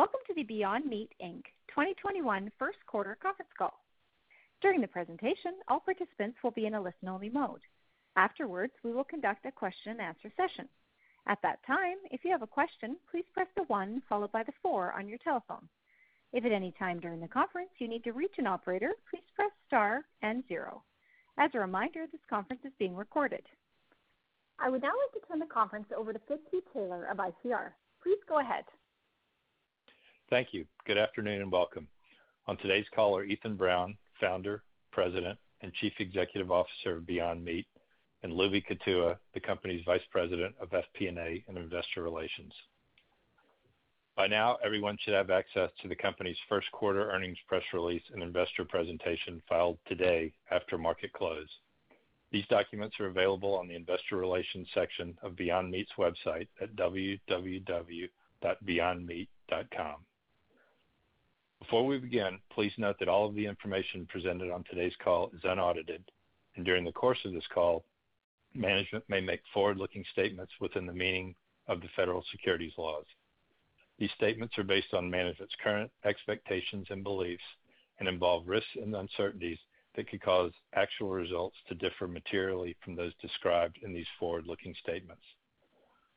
Welcome to the Beyond Meat, Inc. 2021 first quarter conference call. During the presentation, all participants will be in a listen-only mode. Afterwards, we will conduct a question and answer session. At that time, if you have a question, please press the one followed by the four on your telephone. If at any time during the conference you need to reach an operator, please press star and zero. As a reminder, this conference is being recorded. I would now like to turn the conference over to Fitzhugh Taylor of ICR. Please go ahead. Thank you. Good afternoon, and welcome. On today's call are Ethan Brown, founder, president, and chief executive officer of Beyond Meat, and Lubi Kutua, the company's vice president of FP&A and investor relations. By now, everyone should have access to the company's first quarter earnings press release and investor presentation filed today after market close. These documents are available on the investor relations section of Beyond Meat's website at www.beyondmeat.com. Before we begin, please note that all of the information presented on today's call is unaudited, and during the course of this call, management may make forward-looking statements within the meaning of the federal securities laws. These statements are based on management's current expectations and beliefs and involve risks and uncertainties that could cause actual results to differ materially from those described in these forward-looking statements.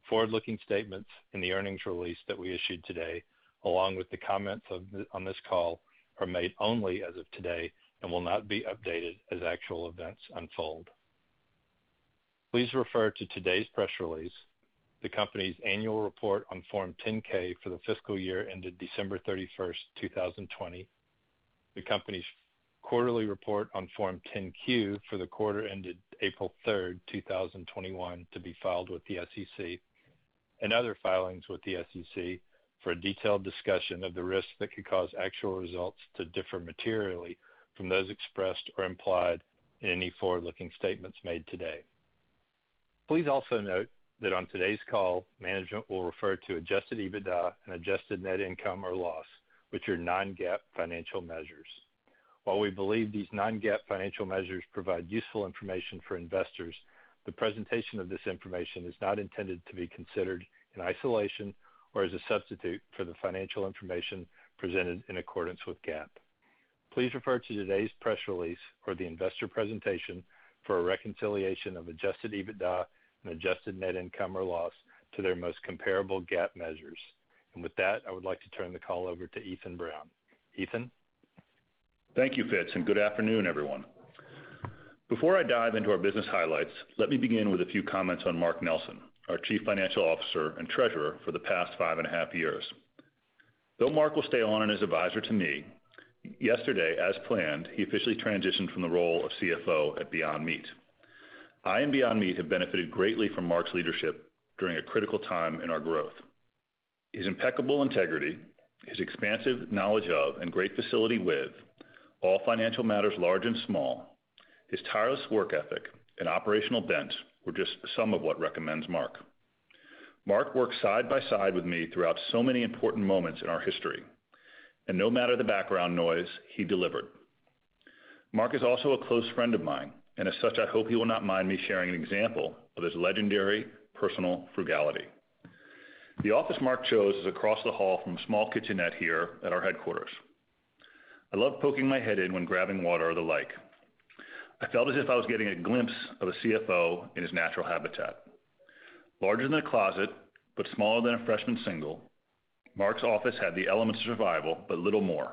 Forward-looking statements in the earnings release that we issued today, along with the comments on this call, are made only as of today and will not be updated as actual events unfold. Please refer to today's press release, the company's annual report on Form 10-K for the fiscal year ended December 31st, 2020, the company's quarterly report on Form 10-Q for the quarter ended April 3rd, 2021, to be filed with the SEC, and other filings with the SEC for a detailed discussion of the risks that could cause actual results to differ materially from those expressed or implied in any forward-looking statements made today. Please also note that on today's call, management will refer to adjusted EBITDA and adjusted net income or loss, which are non-GAAP financial measures. While we believe these non-GAAP financial measures provide useful information for investors, the presentation of this information is not intended to be considered in isolation or as a substitute for the financial information presented in accordance with GAAP. Please refer to today's press release or the investor presentation for a reconciliation of adjusted EBITDA and adjusted net income or loss to their most comparable GAAP measures. With that, I would like to turn the call over to Ethan Brown. Ethan? Thank you, Fitz, and good afternoon, everyone. Before I dive into our business highlights, let me begin with a few comments on Mark Nelson, our Chief Financial Officer and Treasurer for the past five and a half years. Though Mark will stay on as advisor to me, yesterday, as planned, he officially transitioned from the role of CFO at Beyond Meat. I and Beyond Meat have benefited greatly from Mark's leadership during a critical time in our growth. His impeccable integrity, his expansive knowledge of and great facility with all financial matters, large and small, his tireless work ethic and operational bent were just some of what recommends Mark. Mark worked side by side with me throughout so many important moments in our history, and no matter the background noise, he delivered. Mark is also a close friend of mine, and as such, I hope he will not mind me sharing an example of his legendary personal frugality. The office Mark chose is across the hall from a small kitchenette here at our headquarters. I love poking my head in when grabbing water or the like. I felt as if I was getting a glimpse of a CFO in his natural habitat. Larger than a closet but smaller than a freshman single, Mark's office had the elements of survival, but little more.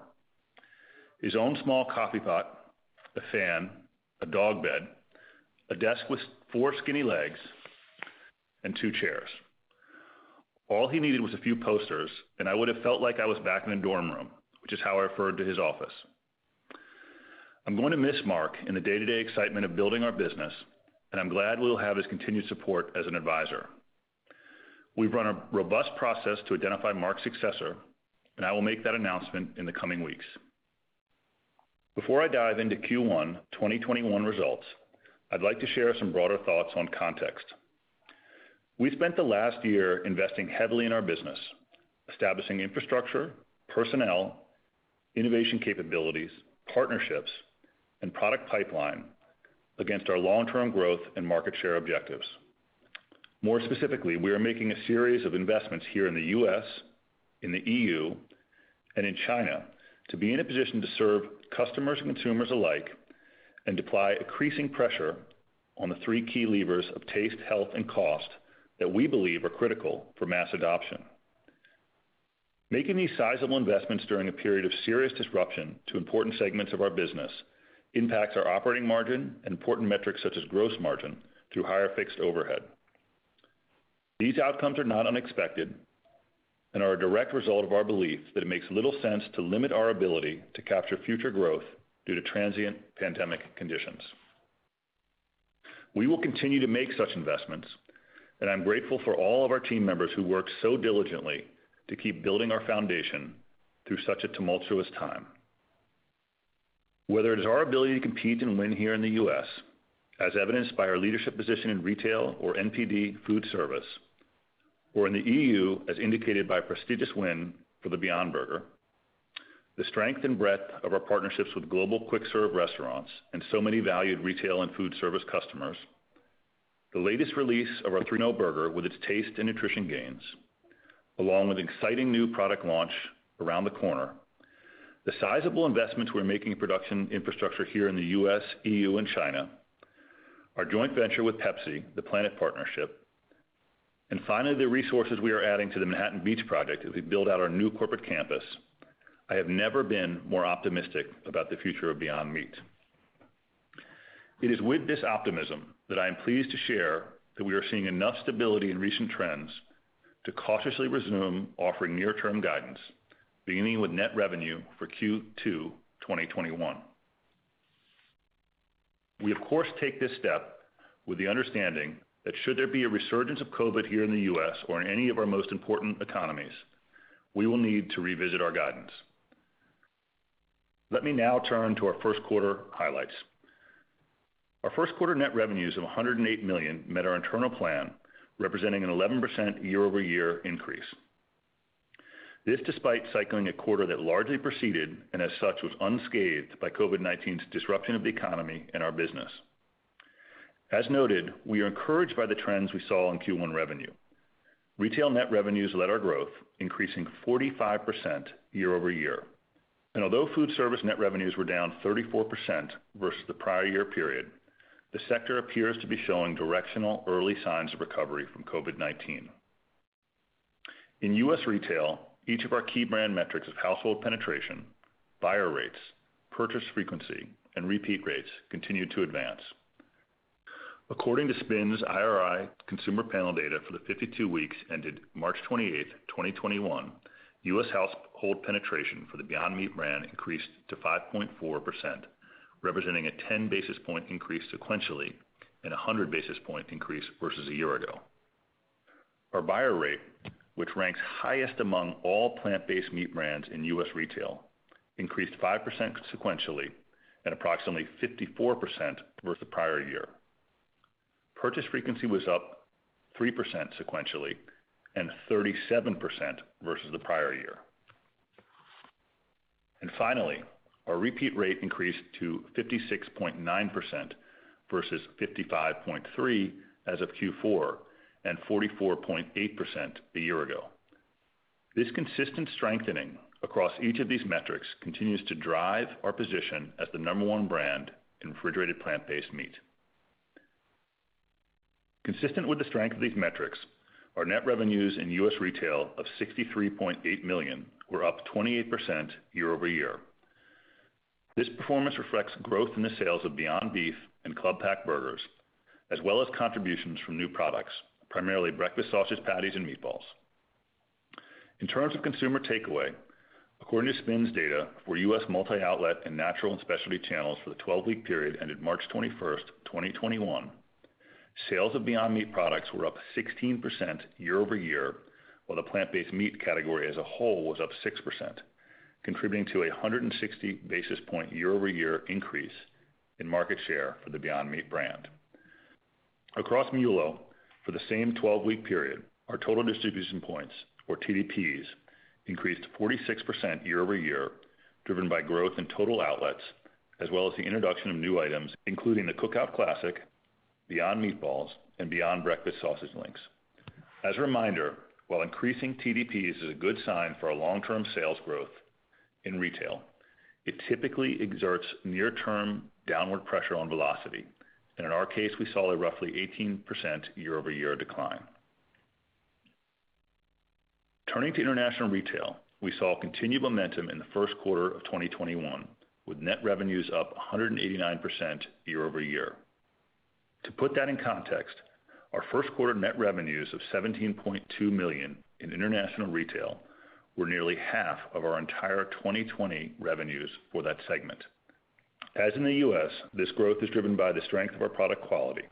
His own small coffee pot, a fan, a dog bed, a desk with four skinny legs, and two chairs. All he needed was a few posters, and I would've felt like I was back in a dorm room, which is how I referred to his office. I'm going to miss Mark in the day-to-day excitement of building our business, and I'm glad we will have his continued support as an advisor. We've run a robust process to identify Mark's successor, and I will make that announcement in the coming weeks. Before I dive into Q1 2021 results, I'd like to share some broader thoughts on context. We've spent the last year investing heavily in our business, establishing infrastructure, personnel, innovation capabilities, partnerships, and product pipeline against our long-term growth and market share objectives. More specifically, we are making a series of investments here in the U.S., in the EU, and in China to be in a position to serve customers and consumers alike and apply increasing pressure on the three key levers of taste, health, and cost that we believe are critical for mass adoption. Making these sizable investments during a period of serious disruption to important segments of our business impacts our operating margin and important metrics such as gross margin through higher fixed overhead. These outcomes are not unexpected and are a direct result of our belief that it makes little sense to limit our ability to capture future growth due to transient pandemic conditions. We will continue to make such investments, and I'm grateful for all of our team members who work so diligently to keep building our foundation through such a tumultuous time. Whether it is our ability to compete and win here in the U.S., as evidenced by our leadership position in retail or NPD food service, or in the EU, as indicated by a prestigious win for the Beyond Burger, the strength and breadth of our partnerships with global quick serve restaurants and so many valued retail and food service customers. The latest release of our Beyond Burger 3.0 with its taste and nutrition gains, along with exciting new product launch around the corner, the sizable investments we're making in production infrastructure here in the U.S., EU, and China, our joint venture with PepsiCo, The PLANeT Partnership, and finally, the resources we are adding to the Manhattan Beach Project as we build out our new corporate campus, I have never been more optimistic about the future of Beyond Meat. It is with this optimism that I am pleased to share that we are seeing enough stability in recent trends to cautiously resume offering near-term guidance, beginning with net revenue for Q2 2021. We, of course, take this step with the understanding that should there be a resurgence of COVID here in the U.S. or in any of our most important economies, we will need to revisit our guidance. Let me now turn to our first quarter highlights. Our first quarter net revenues of $108 million met our internal plan, representing an 11% year-over-year increase. This, despite cycling a quarter that largely proceeded, and as such, was unscathed by COVID-19's disruption of the economy and our business. As noted, we are encouraged by the trends we saw in Q1 revenue. Retail net revenues led our growth, increasing 45% year-over-year. Although food service net revenues were down 34% versus the prior-year period, the sector appears to be showing directional early signs of recovery from COVID-19. In U.S. retail, each of our key brand metrics of household penetration, buyer rates, purchase frequency, and repeat rates continued to advance. According to SPINS IRI consumer panel data for the 52 weeks ended March 28, 2021, U.S. household penetration for the Beyond Meat brand increased to 5.4%, representing a 10-basis point increase sequentially and 100-basis point increase versus a year ago. Our buyer rate, which ranks highest among all plant-based meat brands in U.S. retail, increased 5% sequentially and approximately 54% versus the prior-year. Purchase frequency was up 3% sequentially and 37% versus the prior-year. Finally, our repeat rate increased to 56.9% versus 55.3% as of Q4 and 44.8% a year ago. This consistent strengthening across each of these metrics continues to drive our position as the number one brand in refrigerated plant-based meat. Consistent with the strength of these metrics, our net revenues in U.S. retail of $63.8 million were up 28% year-over-year. This performance reflects growth in the sales of Beyond Beef and club pack burgers, as well as contributions from new products, primarily breakfast sausage patties and meatballs. In terms of consumer takeaway, according to SPINS data for U.S. multi-outlet and natural and specialty channels for the 12-week period ended March 21st, 2021, sales of Beyond Meat products were up 16% year-over-year, while the plant-based meat category as a whole was up 6%, contributing to a 160-basis point year-over-year increase in market share for the Beyond Meat brand. Across MULO, for the same 12-week period, our total distribution points, or TDPs, increased 46% year-over-year, driven by growth in total outlets, as well as the introduction of new items, including the Cookout Classic, Beyond Meatballs, and Beyond Breakfast Sausage Links. As a reminder, while increasing TDTs is a good sign for our long-term sales growth in retail, it typically exerts near-term downward pressure on velocity. In Our case, we saw a roughly 18% year-over-year decline. Turning to international retail, we saw continued momentum in the first quarter of 2021, with net revenues up 189% year-over-year. To put that in context, our first quarter net revenues of $17.2 million in international retail were nearly half of our entire 2020 revenues for that segment. As in the U.S., this growth is driven by the strength of our product quality.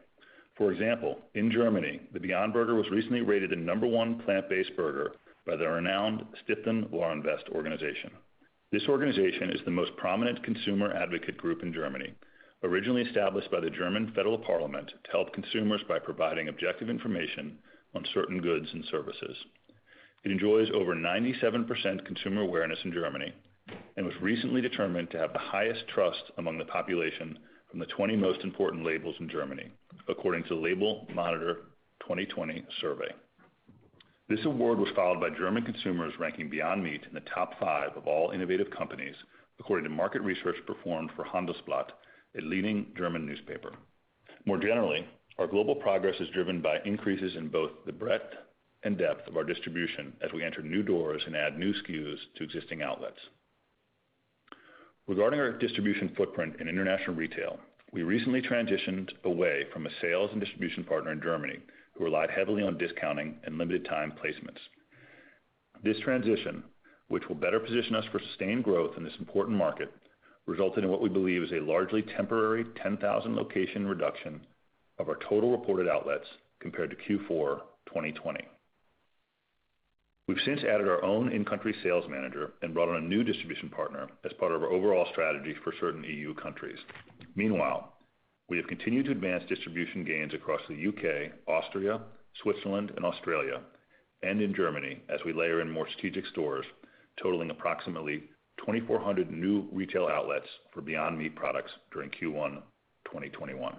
For example, in Germany, the Beyond Burger was recently rated the number one plant-based burger by the renowned Stiftung Warentest organization. This organization is the most prominent consumer advocate group in Germany, originally established by the German Federal Parliament to help consumers by providing objective information on certain goods and services. It enjoys over 97% consumer awareness in Germany and was recently determined to have the highest trust among the population from the 20 most important labels in Germany, according to the Label Monitor 2020 survey. This award was followed by German consumers ranking Beyond Meat in the top five of all innovative companies, according to market research performed for Handelsblatt, a leading German newspaper. More generally, our global progress is driven by increases in both the breadth and depth of our distribution as we enter new doors and add new SKUs to existing outlets. Regarding our distribution footprint in international retail, we recently transitioned away from a sales and distribution partner in Germany who relied heavily on discounting and limited time placements. This transition, which will better position us for sustained growth in this important market, resulted in what we believe is a largely temporary 10,000 location reduction of our total reported outlets compared to Q4 2020. We've since added our own in-country sales manager and brought on a new distribution partner as part of our overall strategy for certain EU countries. Meanwhile, we have continued to advance distribution gains across the U.K., Austria, Switzerland, and Australia. In Germany, as we layer in more strategic stores, totaling approximately 2,400 new retail outlets for Beyond Meat products during Q1 2021.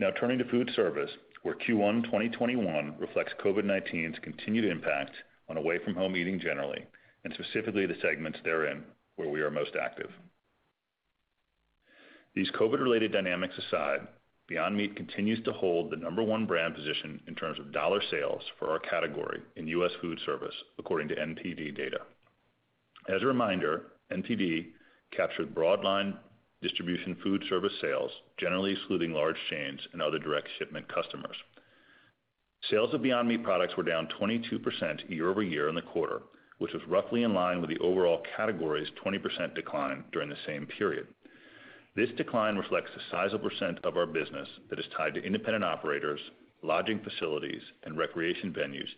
Now turning to food service, where Q1 2021 reflects COVID-19's continued impact on away-from-home eating generally, and specifically the segments therein where we are most active. These COVID-related dynamics aside, Beyond Meat continues to hold the number one brand position in terms of dollar sales for our category in U.S. food service, according to NPD data. As a reminder, NPD captures broadline distribution food service sales, generally excluding large chains and other direct shipment customers. Sales of Beyond Meat products were down 22% year-over-year in the quarter, which was roughly in line with the overall category's 20% decline during the same period. This decline reflects the sizable percent of our business that is tied to independent operators, lodging facilities, and recreation venues,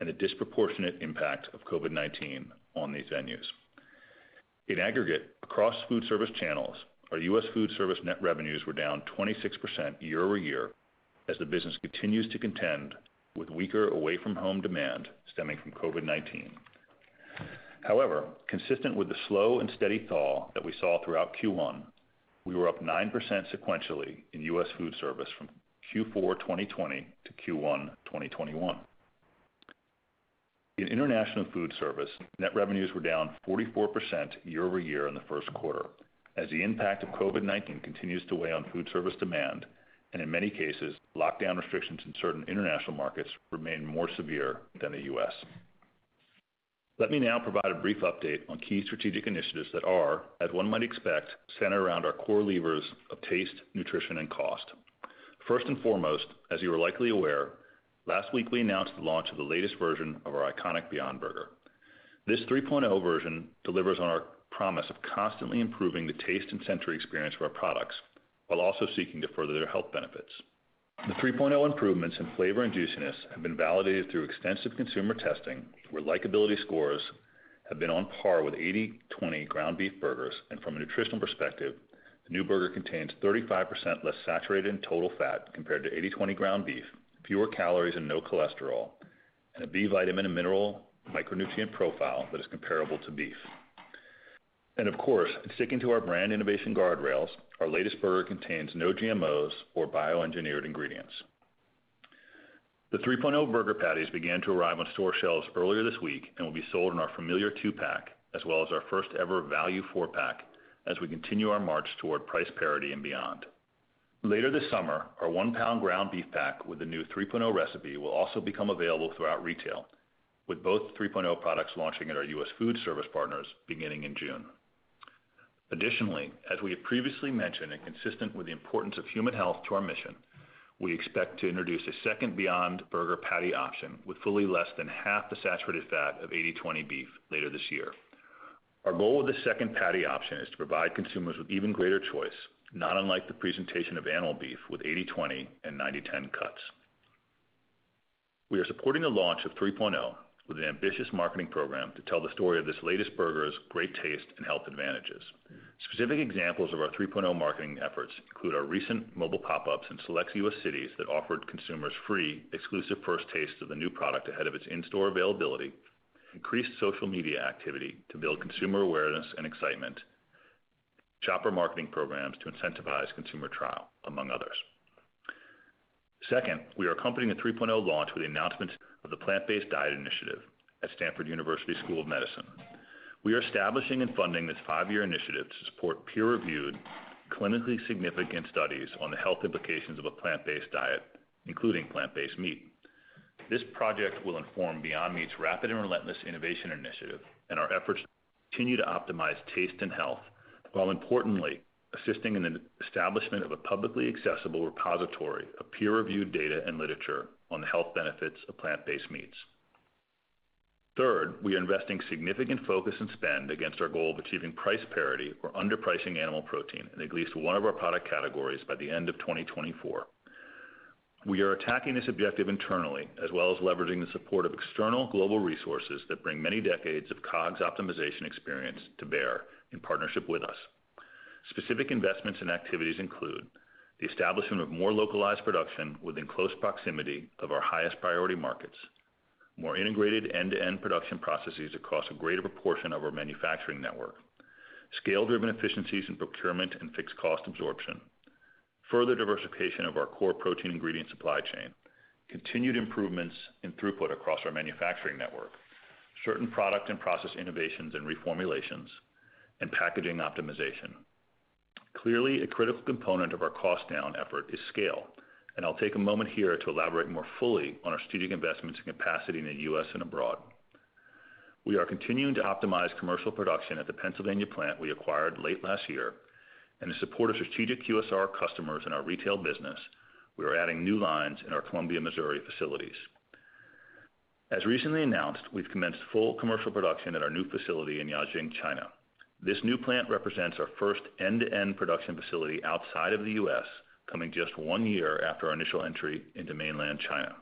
and the disproportionate impact of COVID-19 on these venues. In aggregate, across food service channels, our U.S. food service net revenues were down 26% year-over-year, as the business continues to contend with weaker away-from-home demand stemming from COVID-19. However, consistent with the slow and steady thaw that we saw throughout Q1, we were up 9% sequentially in U.S. food service from Q4 2020 to Q1 2021. In international food service, net revenues were down 44% year-over-year in the first quarter, as the impact of COVID-19 continues to weigh on food service demand, and in many cases, lockdown restrictions in certain international markets remain more severe than the U.S. Let me now provide a brief update on key strategic initiatives that are, as one might expect, centered around our core levers of taste, nutrition, and cost. First and foremost, as you are likely aware, last week we announced the launch of the latest version of our iconic Beyond Burger. This 3.0 version delivers on our promise of constantly improving the taste and sensory experience of our products while also seeking to further their health benefits. The 3.0 improvements in flavor and juiciness have been validated through extensive consumer testing, where likability scores have been on par with 80/20 ground beef burgers, and from a nutritional perspective, the new burger contains 35% less saturated and total fat compared to 80/20 ground beef, fewer calories and no cholesterol, and a B vitamin mineral micronutrient profile that is comparable to beef. Of course, sticking to our brand innovation guardrails, our latest burger contains no GMOs or bioengineered ingredients. The 3.0 burger patties began to arrive on store shelves earlier this week and will be sold in our familiar two-pack, as well as our first-ever value four-pack, as we continue our march toward price parity and beyond. Later this summer, our one-pound ground beef pack with the new 3.0 recipe will also become available throughout retail, with both 3.0 products launching at our U.S. food service partners beginning in June. As we have previously mentioned, and consistent with the importance of human health to our mission, we expect to introduce a second Beyond Burger patty option with fully less than half the saturated fat of 80/20 beef later this year. Our goal with the second patty option is to provide consumers with even greater choice, not unlike the presentation of animal beef with 80/20 and 90/10 cuts. We are supporting the launch of 3.0 with an ambitious marketing program to tell the story of this latest burger's great taste and health advantages. Specific examples of our 3.0 marketing efforts include our recent mobile pop-ups in select U.S. cities that offered consumers free, exclusive first taste of the new product ahead of its in-store availability, increased social media activity to build consumer awareness and excitement, shopper marketing programs to incentivize consumer trial, among others. Second, we are accompanying the 3.0 launch with the announcement of the plant-based diet initiative at Stanford University School of Medicine. We are establishing and funding this five-year initiative to support peer-reviewed, clinically significant studies on the health implications of a plant-based diet, including plant-based meat. This project will inform Beyond Meat's rapid and relentless innovation initiative and our efforts to continue to optimize taste and health, while importantly assisting in the establishment of a publicly accessible repository of peer-reviewed data and literature on the health benefits of plant-based meats. Third, we are investing significant focus and spend against our goal of achieving price parity for underpricing animal protein in at least one of our product categories by the end of 2024. We are attacking this objective internally as well as leveraging the support of external global resources that bring many decades of COGS optimization experience to bear in partnership with us. Specific investments and activities include the establishment of more localized production within close proximity of our highest priority markets, more integrated end-to-end production processes across a greater proportion of our manufacturing network, scale-driven efficiencies in procurement and fixed cost absorption, further diversification of our core protein ingredient supply chain, continued improvements in throughput across our manufacturing network, certain product and process innovations and reformulations, and packaging optimization. Clearly, a critical component of our cost down effort is scale. I'll take a moment here to elaborate more fully on our strategic investments in capacity in the U.S. and abroad. We are continuing to optimize commercial production at the Pennsylvania plant we acquired late last year, and in support of strategic QSR customers in our retail business, we are adding new lines in our Columbia, Missouri facilities. As recently announced, we've commenced full commercial production at our new facility in Jiaxing, China. This new plant represents our first end-to-end production facility outside of the U.S., coming just one year after our initial entry into mainland China.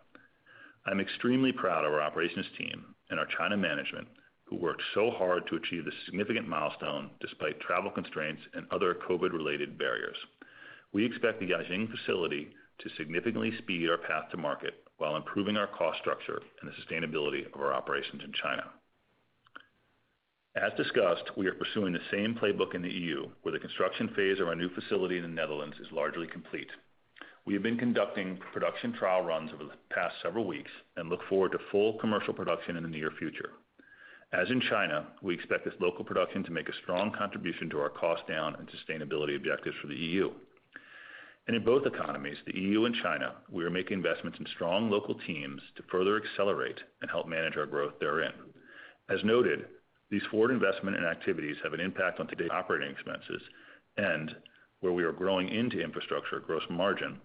I'm extremely proud of our operations team and our China management, who worked so hard to achieve this significant milestone despite travel constraints and other COVID-related barriers. We expect the Jiaxing facility to significantly speed our path to market while improving our cost structure and the sustainability of our operations in China. As discussed, we are pursuing the same playbook in the EU, where the construction phase of our new facility in the Netherlands is largely complete. We have been conducting production trial runs over the past several weeks and look forward to full commercial production in the near future. As in China, we expect this local production to make a strong contribution to our cost down and sustainability objectives for the EU. In both economies, the EU and China, we are making investments in strong local teams to further accelerate and help manage our growth therein. As noted, these forward investment and activities have an impact on today's operating expenses and where we are growing into infrastructure gross margin,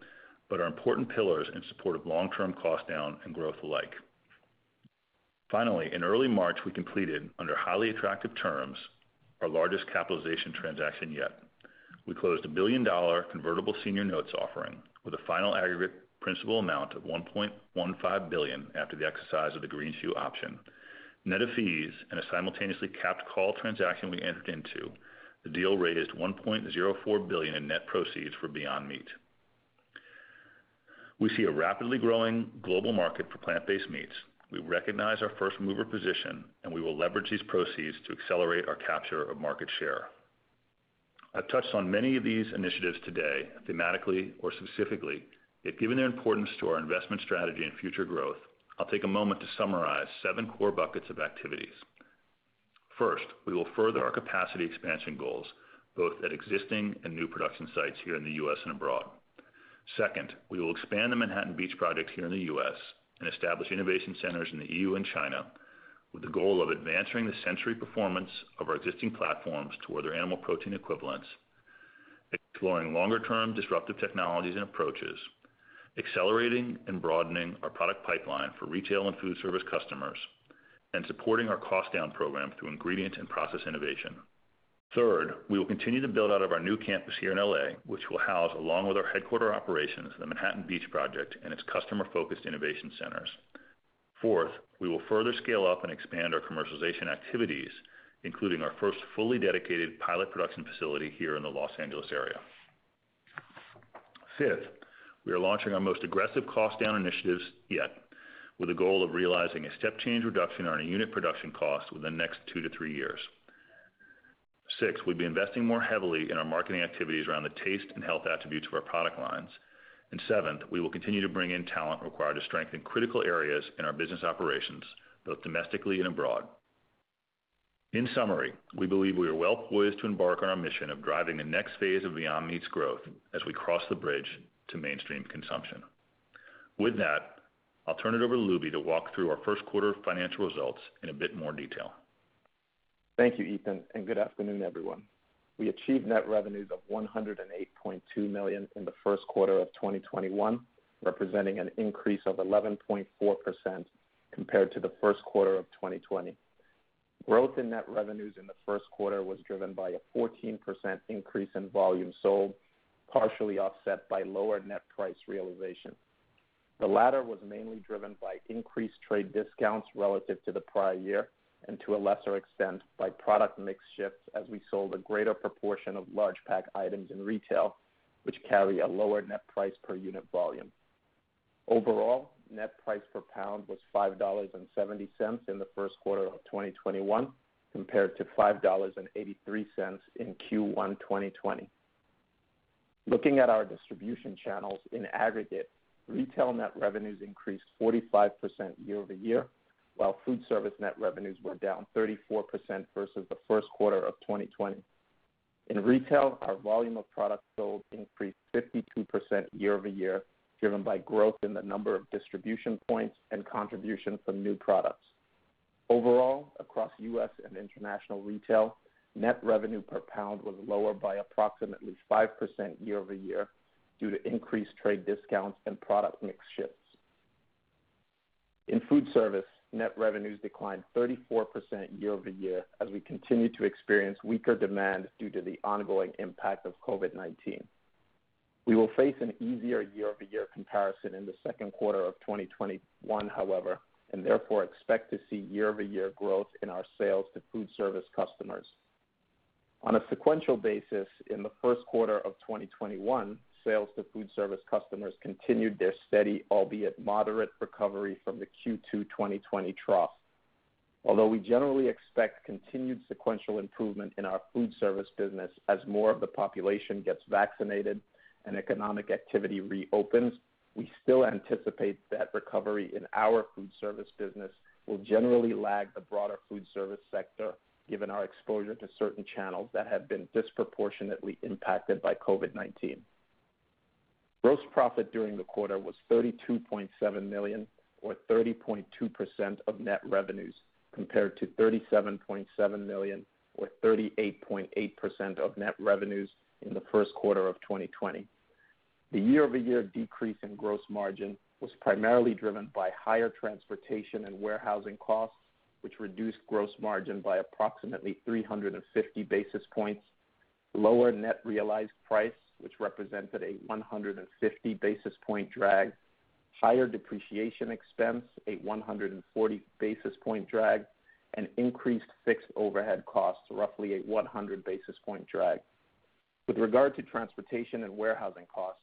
but are important pillars in support of long-term cost down and growth alike. Finally, in early March, we completed, under highly attractive terms, our largest capitalization transaction yet. We closed a billion-dollar convertible senior notes offering with a final aggregate principal amount of $1.15 billion after the exercise of the greenshoe option. Net of fees and a simultaneously capped call transaction we entered into, the deal raised $1.04 billion in net proceeds for Beyond Meat. We see a rapidly growing global market for plant-based meats. We recognize our first-mover position, and we will leverage these proceeds to accelerate our capture of market share. I've touched on many of these initiatives today, thematically or specifically, yet given their importance to our investment strategy and future growth, I'll take a moment to summarize seven core buckets of activities. First, we will further our capacity expansion goals, both at existing and new production sites here in the U.S. and abroad. Second, we will expand the Manhattan Beach Project here in the U.S. and establish innovation centers in the EU and China with the goal of advancing the sensory performance of our existing platforms to other animal protein equivalents, exploring longer-term disruptive technologies and approaches, accelerating and broadening our product pipeline for retail and food service customers, and supporting our cost-down program through ingredient and process innovation. Third, we will continue to build out of our new campus here in L.A., which will house, along with our headquarter operations, the Manhattan Beach Project and its customer-focused innovation centers. Fourth, we will further scale up and expand our commercialization activities, including our first fully dedicated pilot production facility here in the Los Angeles area. Fifth, we are launching our most aggressive cost-down initiatives yet with the goal of realizing a step-change reduction on a unit production cost within the next two to three years. Sixth, we'll be investing more heavily in our marketing activities around the taste and health attributes of our product lines. Seventh, we will continue to bring in talent required to strengthen critical areas in our business operations, both domestically and abroad. In summary, we believe we are well poised to embark on our mission of driving the next phase of Beyond Meat's growth as we cross the bridge to mainstream consumption. With that, I'll turn it over to Lubi to walk through our first quarter financial results in a bit more detail. Thank you, Ethan. Good afternoon, everyone. We achieved net revenues of $108.2 million in the first quarter of 2021, representing an increase of 11.4% compared to the first quarter of 2020. Growth in net revenues in the first quarter was driven by a 14% increase in volume sold, partially offset by lower net price realization. The latter was mainly driven by increased trade discounts relative to the prior year and, to a lesser extent, by product mix shifts as we sold a greater proportion of large pack items in retail, which carry a lower net price per unit volume. Overall, net price per pound was $5.70 in the first quarter of 2021, compared to $5.83 in Q1 2020. Looking at our distribution channels in aggregate, retail net revenues increased 45% year-over-year, while food service net revenues were down 34% versus the first quarter of 2020. In retail, our volume of products sold increased 52% year-over-year, driven by growth in the number of distribution points and contribution from new products. Overall, across U.S. and international retail, net revenue per pound was lower by approximately 5% year-over-year due to increased trade discounts and product mix shifts. In food service, net revenues declined 34% year-over-year as we continue to experience weaker demand due to the ongoing impact of COVID-19. We will face an easier year-over-year comparison in the second quarter of 2021, however, and therefore expect to see year-over-year growth in our sales to food service customers. On a sequential basis in the first quarter of 2021, sales to food service customers continued their steady, albeit moderate, recovery from the Q2 2020 trough. Although we generally expect continued sequential improvement in our food service business as more of the population gets vaccinated and economic activity reopens, we still anticipate that recovery in our food service business will generally lag the broader food service sector given our exposure to certain channels that have been disproportionately impacted by COVID-19. Gross profit during the quarter was $32.7 million, or 30.2% of net revenues, compared to $37.7 million or 38.8% of net revenues in the first quarter of 2020. The year-over-year decrease in gross margin was primarily driven by higher transportation and warehousing costs, which reduced gross margin by approximately 350 basis points. Lower net realized price, which represented a 150 basis point drag, higher depreciation expense, a 140 basis point drag, and increased fixed overhead costs, roughly a 100 basis point drag. With regard to transportation and warehousing costs,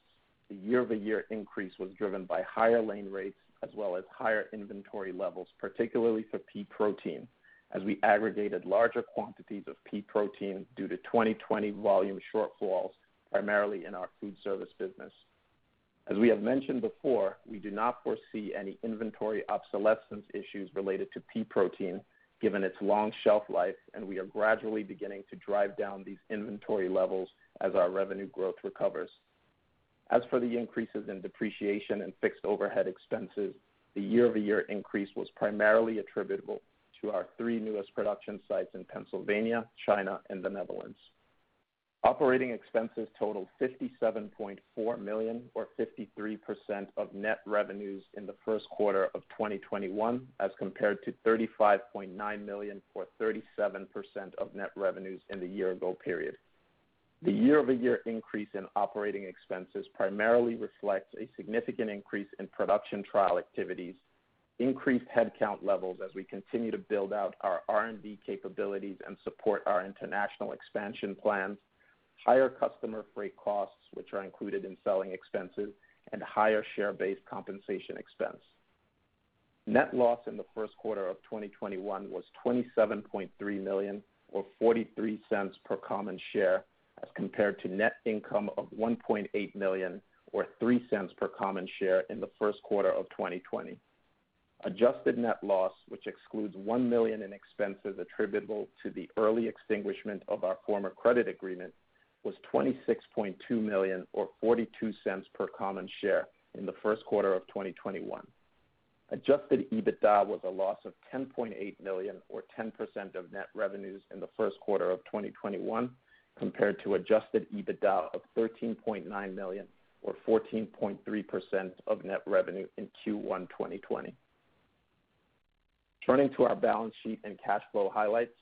the year-over-year increase was driven by higher lane rates as well as higher inventory levels, particularly for pea protein, as we aggregated larger quantities of pea protein due to 2020 volume shortfalls, primarily in our food service business. We have mentioned before, we do not foresee any inventory obsolescence issues related to pea protein, given its long shelf life, and we are gradually beginning to drive down these inventory levels as our revenue growth recovers. For the increases in depreciation and fixed overhead expenses, the year-over-year increase was primarily attributable to our three newest production sites in Pennsylvania, China, and the Netherlands. Operating expenses totaled $57.4 million or 53% of net revenues in the first quarter of 2021, as compared to $35.9 million or 37% of net revenues in the year ago period. The year-over-year increase in operating expenses primarily reflects a significant increase in production trial activities, increased headcount levels as we continue to build out our R&D capabilities and support our international expansion plans, higher customer freight costs, which are included in selling expenses, and higher share-based compensation expense. Net loss in the first quarter of 2021 was $27.3 million or $0.43 per common share, as compared to net income of $1.8 million or $0.03 per common share in the first quarter of 2020. Adjusted net loss, which excludes $1 million in expenses attributable to the early extinguishment of our former credit agreement, was $26.2 million or $0.42 per common share in the first quarter of 2021. Adjusted EBITDA was a loss of $10.8 million or 10% of net revenues in the first quarter of 2021 compared to adjusted EBITDA of $13.9 million or 14.3% of net revenue in Q1 2020. Turning to our balance sheet and cash flow highlights,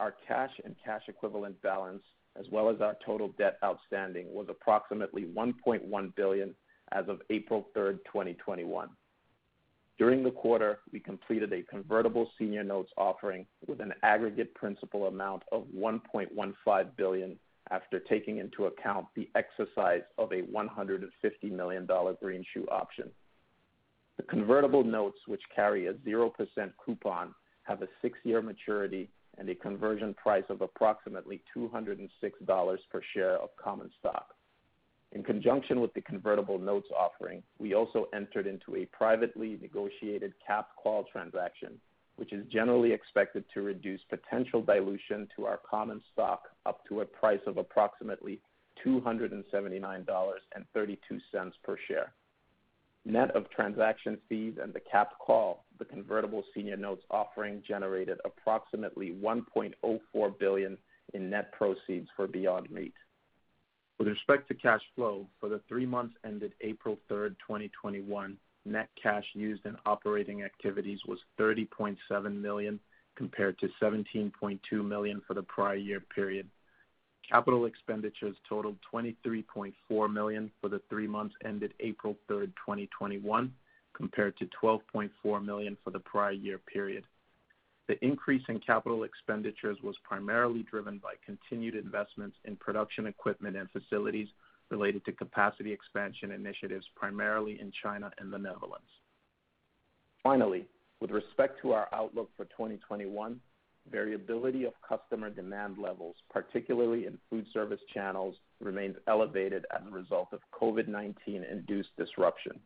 our cash and cash equivalent balance, as well as our total debt outstanding, was approximately $1.1 billion as of April 3rd, 2021. During the quarter, we completed a convertible senior notes offering with an aggregate principal amount of $1.15 billion after taking into account the exercise of a $150 million greenshoe option. The convertible notes, which carry a 0% coupon, have a six-year maturity and a conversion price of approximately $206 per share of common stock. In conjunction with the convertible notes offering, we also entered into a privately negotiated capped call transaction, which is generally expected to reduce potential dilution to our common stock up to a price of approximately $279.32 per share. Net of transaction fees and the capped call, the convertible senior notes offering generated approximately $1.04 billion in net proceeds for Beyond Meat. With respect to cash flow, for the three months ended April 3rd, 2021, net cash used in operating activities was $30.7 million, compared to $17.2 million for the prior year period. Capital expenditures totaled $23.4 million for the three months ended April 3rd, 2021, compared to $12.4 million for the prior year period. The increase in capital expenditures was primarily driven by continued investments in production equipment and facilities related to capacity expansion initiatives, primarily in China and the Netherlands. Finally, with respect to our outlook for 2021, variability of customer demand levels, particularly in food service channels, remains elevated as a result of COVID-19 induced disruption.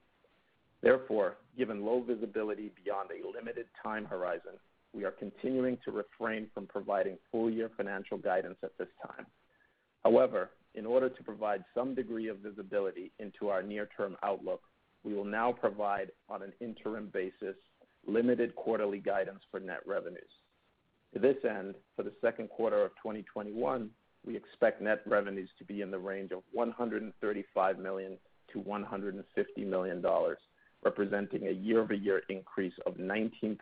Given low visibility beyond a limited time horizon, we are continuing to refrain from providing full year financial guidance at this time. In order to provide some degree of visibility into our near-term outlook, we will now provide, on an interim basis, limited quarterly guidance for net revenues. To this end, for the second quarter of 2021, we expect net revenues to be in the range of $135 million-$150 million, representing a year-over-year increase of 19%-32%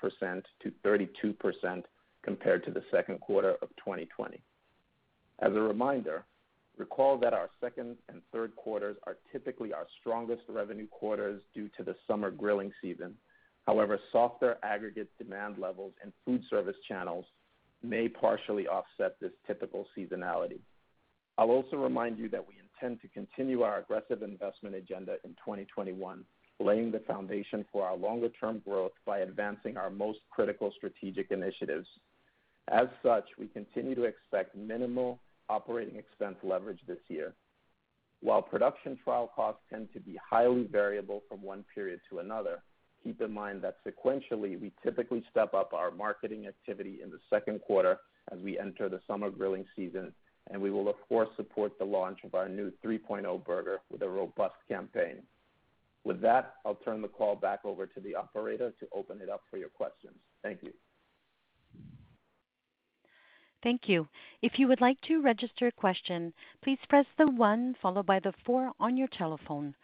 compared to the second quarter of 2020. As a reminder, recall that our second and third quarters are typically our strongest revenue quarters due to the summer grilling season. However, softer aggregate demand levels in food service channels may partially offset this typical seasonality. I'll also remind you that we intend to continue our aggressive investment agenda in 2021, laying the foundation for our longer term growth by advancing our most critical strategic initiatives. As such, we continue to expect minimal operating expense leverage this year. While production trial costs tend to be highly variable from one period to another, keep in mind that sequentially, we typically step up our marketing activity in the second quarter as we enter the summer grilling season, and we will of course support the launch of our new 3.0 Burger with a robust campaign. With that, I'll turn the call back over to the operator to open it up for your questions. Thank you. Thank you. If you would like to register a question, please press the one followed by the four on your telephone.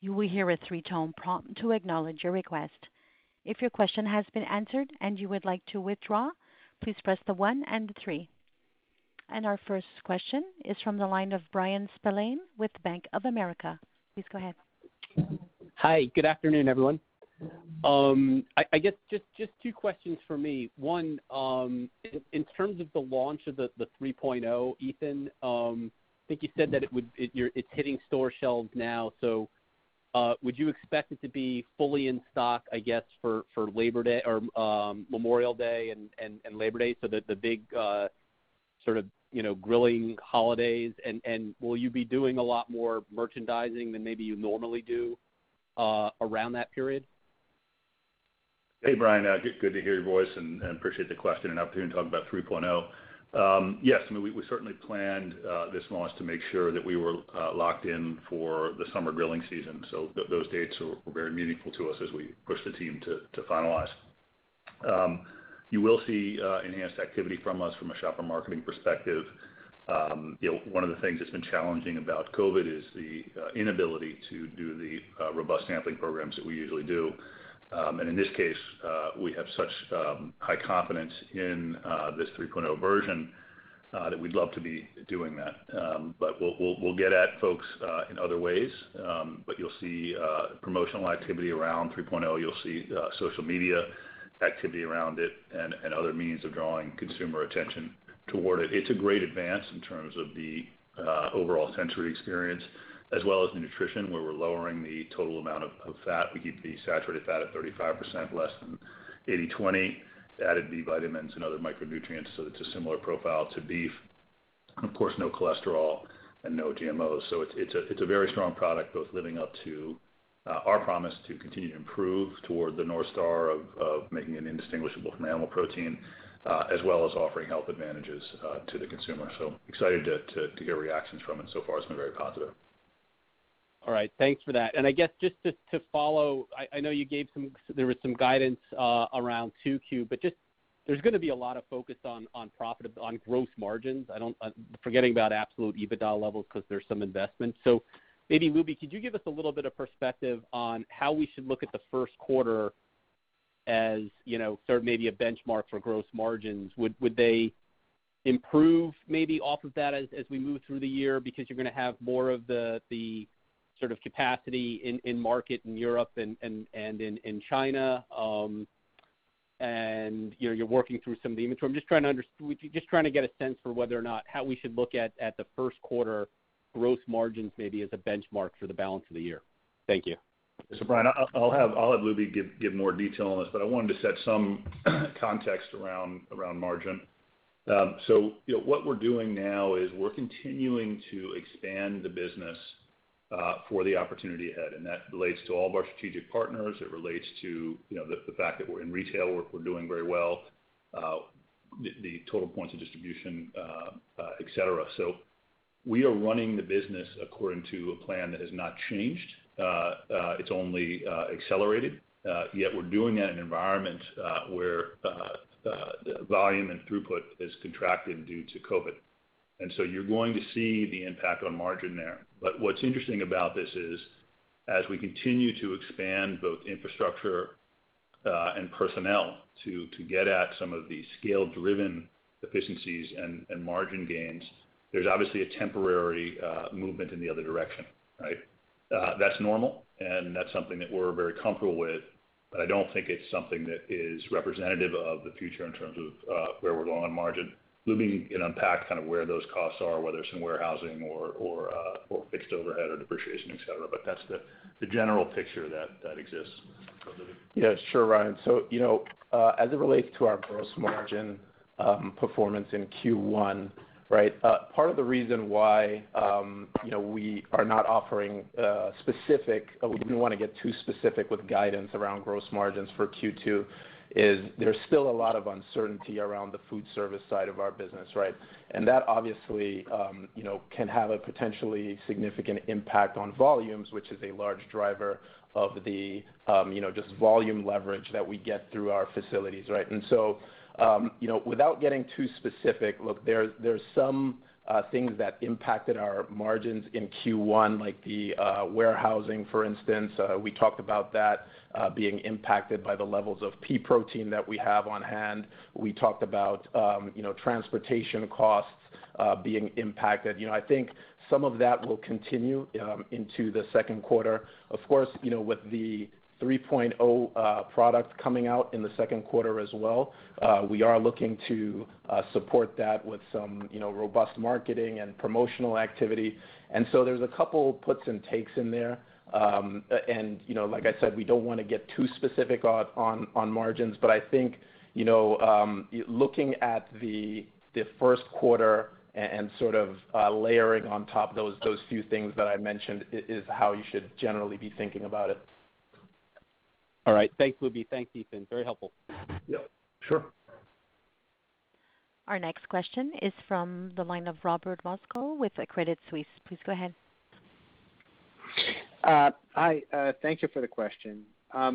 You will hear a three-tone prompt to acknowledge your request. If your question has been answered and you would like to withdraw, please press the one and three. Our first question is from the line of Bryan Spillane with Bank of America. Please go ahead. Hi, good afternoon, everyone. I guess just two questions from me. One, in terms of the launch of the 3.0, Ethan, I think you said that it's hitting store shelves now. Would you expect it to be fully in stock, I guess, for Memorial Day and Labor Day, so the big sort of grilling holidays? Will you be doing a lot more merchandising than maybe you normally do around that period? Hey, Bryan. Good to hear your voice, appreciate the question and opportunity to talk about 3.0. Yes, we certainly planned this launch to make sure that we were locked in for the summer grilling season. Those dates were very meaningful to us as we pushed the team to finalize. You will see enhanced activity from us from a shopper marketing perspective. One of the things that's been challenging about COVID is the inability to do the robust sampling programs that we usually do. In this case, we have such high confidence in this 3.0 version, that we'd love to be doing that. We'll get at folks in other ways. You'll see promotional activity around 3.0. You'll see social media activity around it and other means of drawing consumer attention toward it. It's a great advance in terms of the overall sensory experience as well as the nutrition, where we're lowering the total amount of fat. We keep the saturated fat at 35%, less than 80/20, added B vitamins and other micronutrients, so it's a similar profile to beef. Of course, no cholesterol and no GMOs. It's a very strong product, both living up to our promise to continue to improve toward the North Star of making it indistinguishable from animal protein, as well as offering health advantages to the consumer. So excited to hear reactions from it. So far, it's been very positive. All right. Thanks for that. I guess just to follow, I know there was some guidance around 2Q, but there's going to be a lot of focus on gross margins. Forgetting about absolute EBITDA levels because there's some investment. Maybe Lubi, could you give us a little bit of perspective on how we should look at the first quarter as sort of maybe a benchmark for gross margins? Would they improve maybe off of that as we move through the year because you're going to have more of the sort of capacity in market in Europe and in China, and you're working through some of the inventory. Trying to get a sense for whether or not how we should look at the first quarter gross margins maybe as a benchmark for the balance of the year. Thank you. Mr. Bryan, I'll have Lubi give more detail on this, but I wanted to set some context around margin. What we're doing now is we're continuing to expand the business for the opportunity ahead, and that relates to all of our strategic partners. It relates to the fact that we're in retail, we're doing very well, the total points of distribution, et cetera. We are running the business according to a plan that has not changed. It's only accelerated. Yet we're doing it in an environment where volume and throughput is contracted due to COVID. You're going to see the impact on margin there. What's interesting about this is, as we continue to expand both infrastructure and personnel to get at some of the scale-driven efficiencies and margin gains, there's obviously a temporary movement in the other direction, right? That's normal, and that's something that we're very comfortable with, but I don't think it's something that is representative of the future in terms of where we're going on margin. Lubi can unpack kind of where those costs are, whether it's in warehousing or fixed overhead or depreciation, et cetera. That's the general picture that exists. So Lubi. Sure, Bryan. As it relates to our gross margin performance in Q1, part of the reason why we are not offering specific, or we didn't want to get too specific with guidance around gross margins for Q2 is there's still a lot of uncertainty around the food service side of our business. That obviously can have a potentially significant impact on volumes, which is a large driver of the volume leverage that we get through our facilities. Without getting too specific, there's some things that impacted our margins in Q1, like the warehousing, for instance. We talked about that being impacted by the levels of pea protein that we have on hand. We talked about transportation costs being impacted. I think some of that will continue into the second quarter. Of course, with the 3.0 product coming out in the second quarter as well, we are looking to support that with some robust marketing and promotional activity. There's a couple puts and takes in there. Like I said, we don't want to get too specific on margins, but I think looking at the first quarter and sort of layering on top those few things that I mentioned is how you should generally be thinking about it. All right. Thanks, Lubi. Thanks, Ethan. Very helpful. Yeah. Sure. Our next question is from the line of Robert Moskow with Credit Suisse. Please go ahead. Hi, thank you for the question. Hi,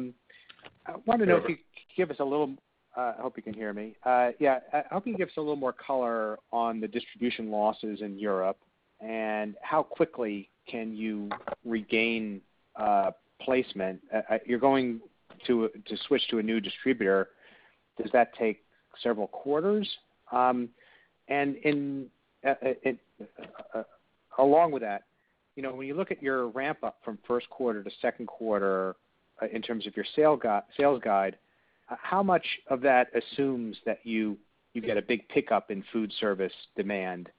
Robert. I hope you can hear me. Yeah, I hope you can give us a little more color on the distribution losses in Europe and how quickly can you regain placement. You're going to switch to a new distributor. Does that take several quarters? Along with that, when you look at your ramp-up from first quarter to second quarter in terms of your sales guide, how much of that assumes that you get a big pickup in food service demand,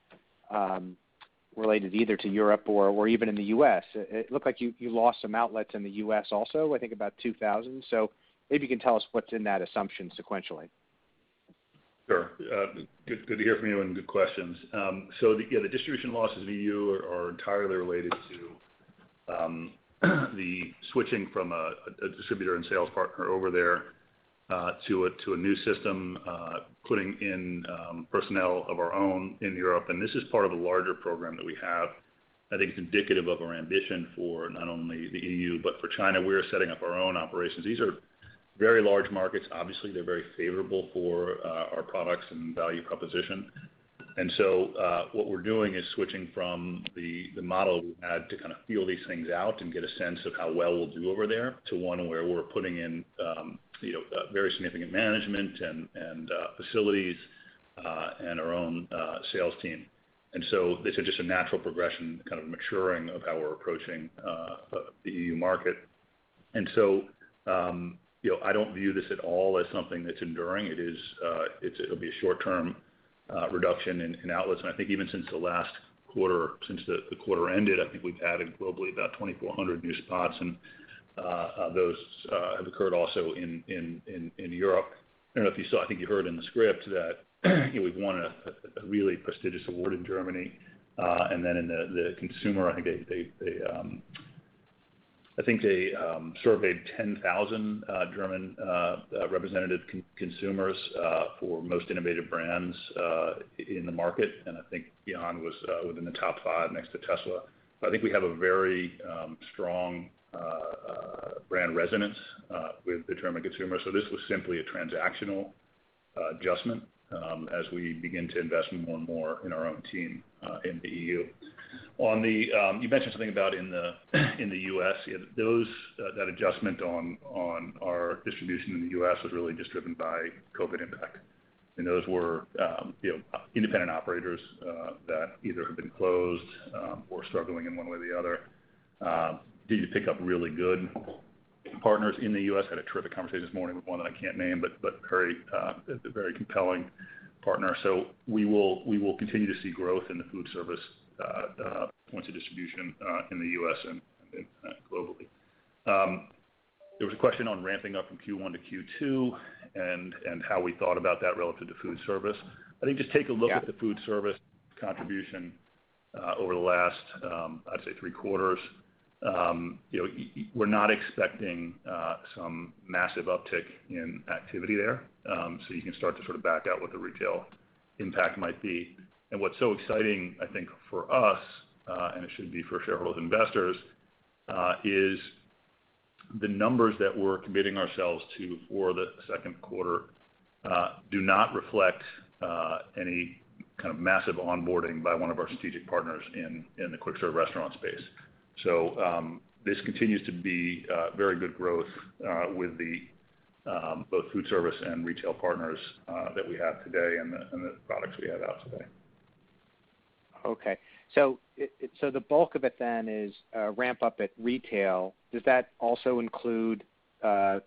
related either to Europe or even in the U.S.? It looked like you lost some outlets in the U.S. also, I think about 2,000. Maybe you can tell us what's in that assumption sequentially. Sure. Good to hear from you, and good questions. Yeah, the distribution losses in EU are entirely related to the switching from a distributor and sales partner over there to a new system, putting in personnel of our own in Europe. This is part of a larger program that we have, I think, indicative of our ambition for not only the EU, but for China. We are setting up our own operations. These are very large markets. Obviously, they're very favorable for our products and value proposition. What we're doing is switching from the model we had to kind of feel these things out and get a sense of how well we'll do over there, to one where we're putting in very significant management and facilities, and our own sales team. This is just a natural progression, kind of maturing of how we're approaching the EU market. I don't view this at all as something that's enduring. It'll be a short-term reduction in outlets. I think even since the quarter ended, I think we've added globally about 2,400 new spots. Those have occurred also in Europe. I don't know if you saw, I think you heard in the script that we've won a really prestigious award in Germany. In the consumer, I think they surveyed 10,000 German representative consumers for most innovative brands in the market, and I think Beyond was within the top five next to Tesla. I think we have a very strong brand resonance with the German consumer. This was simply a transactional adjustment as we begin to invest more and more in our own team in the EU. You mentioned something about in the U.S. That adjustment on our distribution in the U.S. was really just driven by COVID impact. Those were independent operators that either have been closed or struggling in one way or the other. Did pick up really good partners in the U.S., had a terrific conversation this morning with one that I can't name, but very compelling partner. We will continue to see growth in the food service points of distribution in the U.S. and globally. There was a question on ramping up from Q1 to Q2 and how we thought about that relative to food service. I think just take a look- Yeah. at the food service contribution over the last, I'd say, three quarters. We're not expecting some massive uptick in activity there. You can start to sort of back out what the retail impact might be. What's so exciting, I think, for us, and it should be for shareholders, investors, is the numbers that we're committing ourselves to for the second quarter do not reflect any kind of massive onboarding by one of our strategic partners in the quick service restaurant space. This continues to be very good growth with both food service and retail partners that we have today and the products we have out today. The bulk of it then is ramp up at retail. Does that also include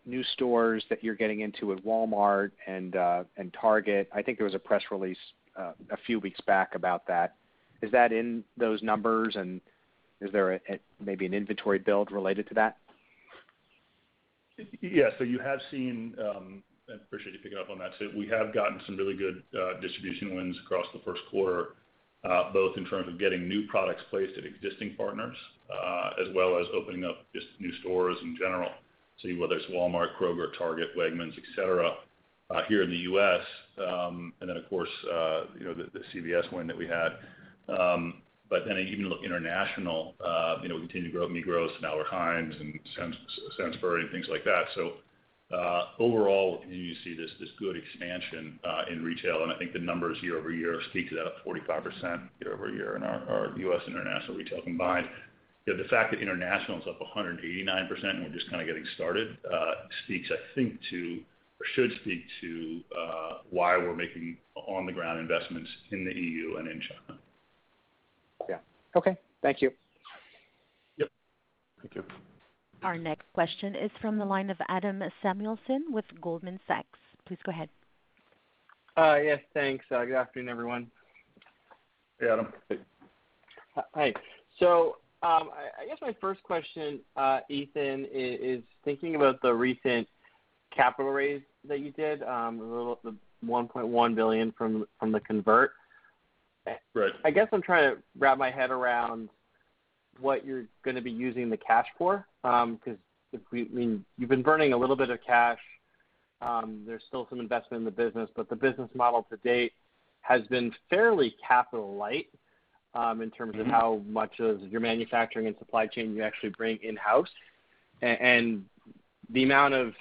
new stores that you're getting into with Walmart and Target? I think there was a press release a few weeks back about that. Is that in those numbers, and is there maybe an inventory build related to that? I appreciate you picking up on that. We have gotten some really good distribution wins across the first quarter, both in terms of getting new products placed at existing partners, as well as opening up just new stores in general. Whether it's Walmart, Kroger, Target, Wegmans, et cetera, here in the U.S., of course, the CVS win that we had. Even international, we continue to grow at Migros and Albert Heijn and Sainsbury's and things like that. Overall, you see this good expansion in retail, and I think the numbers year-over-year speaks to that, 45% year-over-year in our U.S.-international retail combined. The fact that international is up 189%, we're just kind of getting started, speaks, I think to, or should speak to why we're making on the ground investments in the EU and in China. Yeah. Okay. Thank you. Yep. Thank you. Our next question is from the line of Adam Samuelson with Goldman Sachs. Please go ahead. Yes, thanks. Good afternoon, everyone. Hey, Adam. Hi. I guess my first question, Ethan, is thinking about the recent capital raise that you did, the $1.1 billion from the convert. Right. I guess I'm trying to wrap my head around what you're gonna be using the cash for, because you've been burning a little bit of cash. There's still some investment in the business, but the business model to date has been fairly capital light in terms of how much of your manufacturing and supply chain you actually bring in-house. The amount of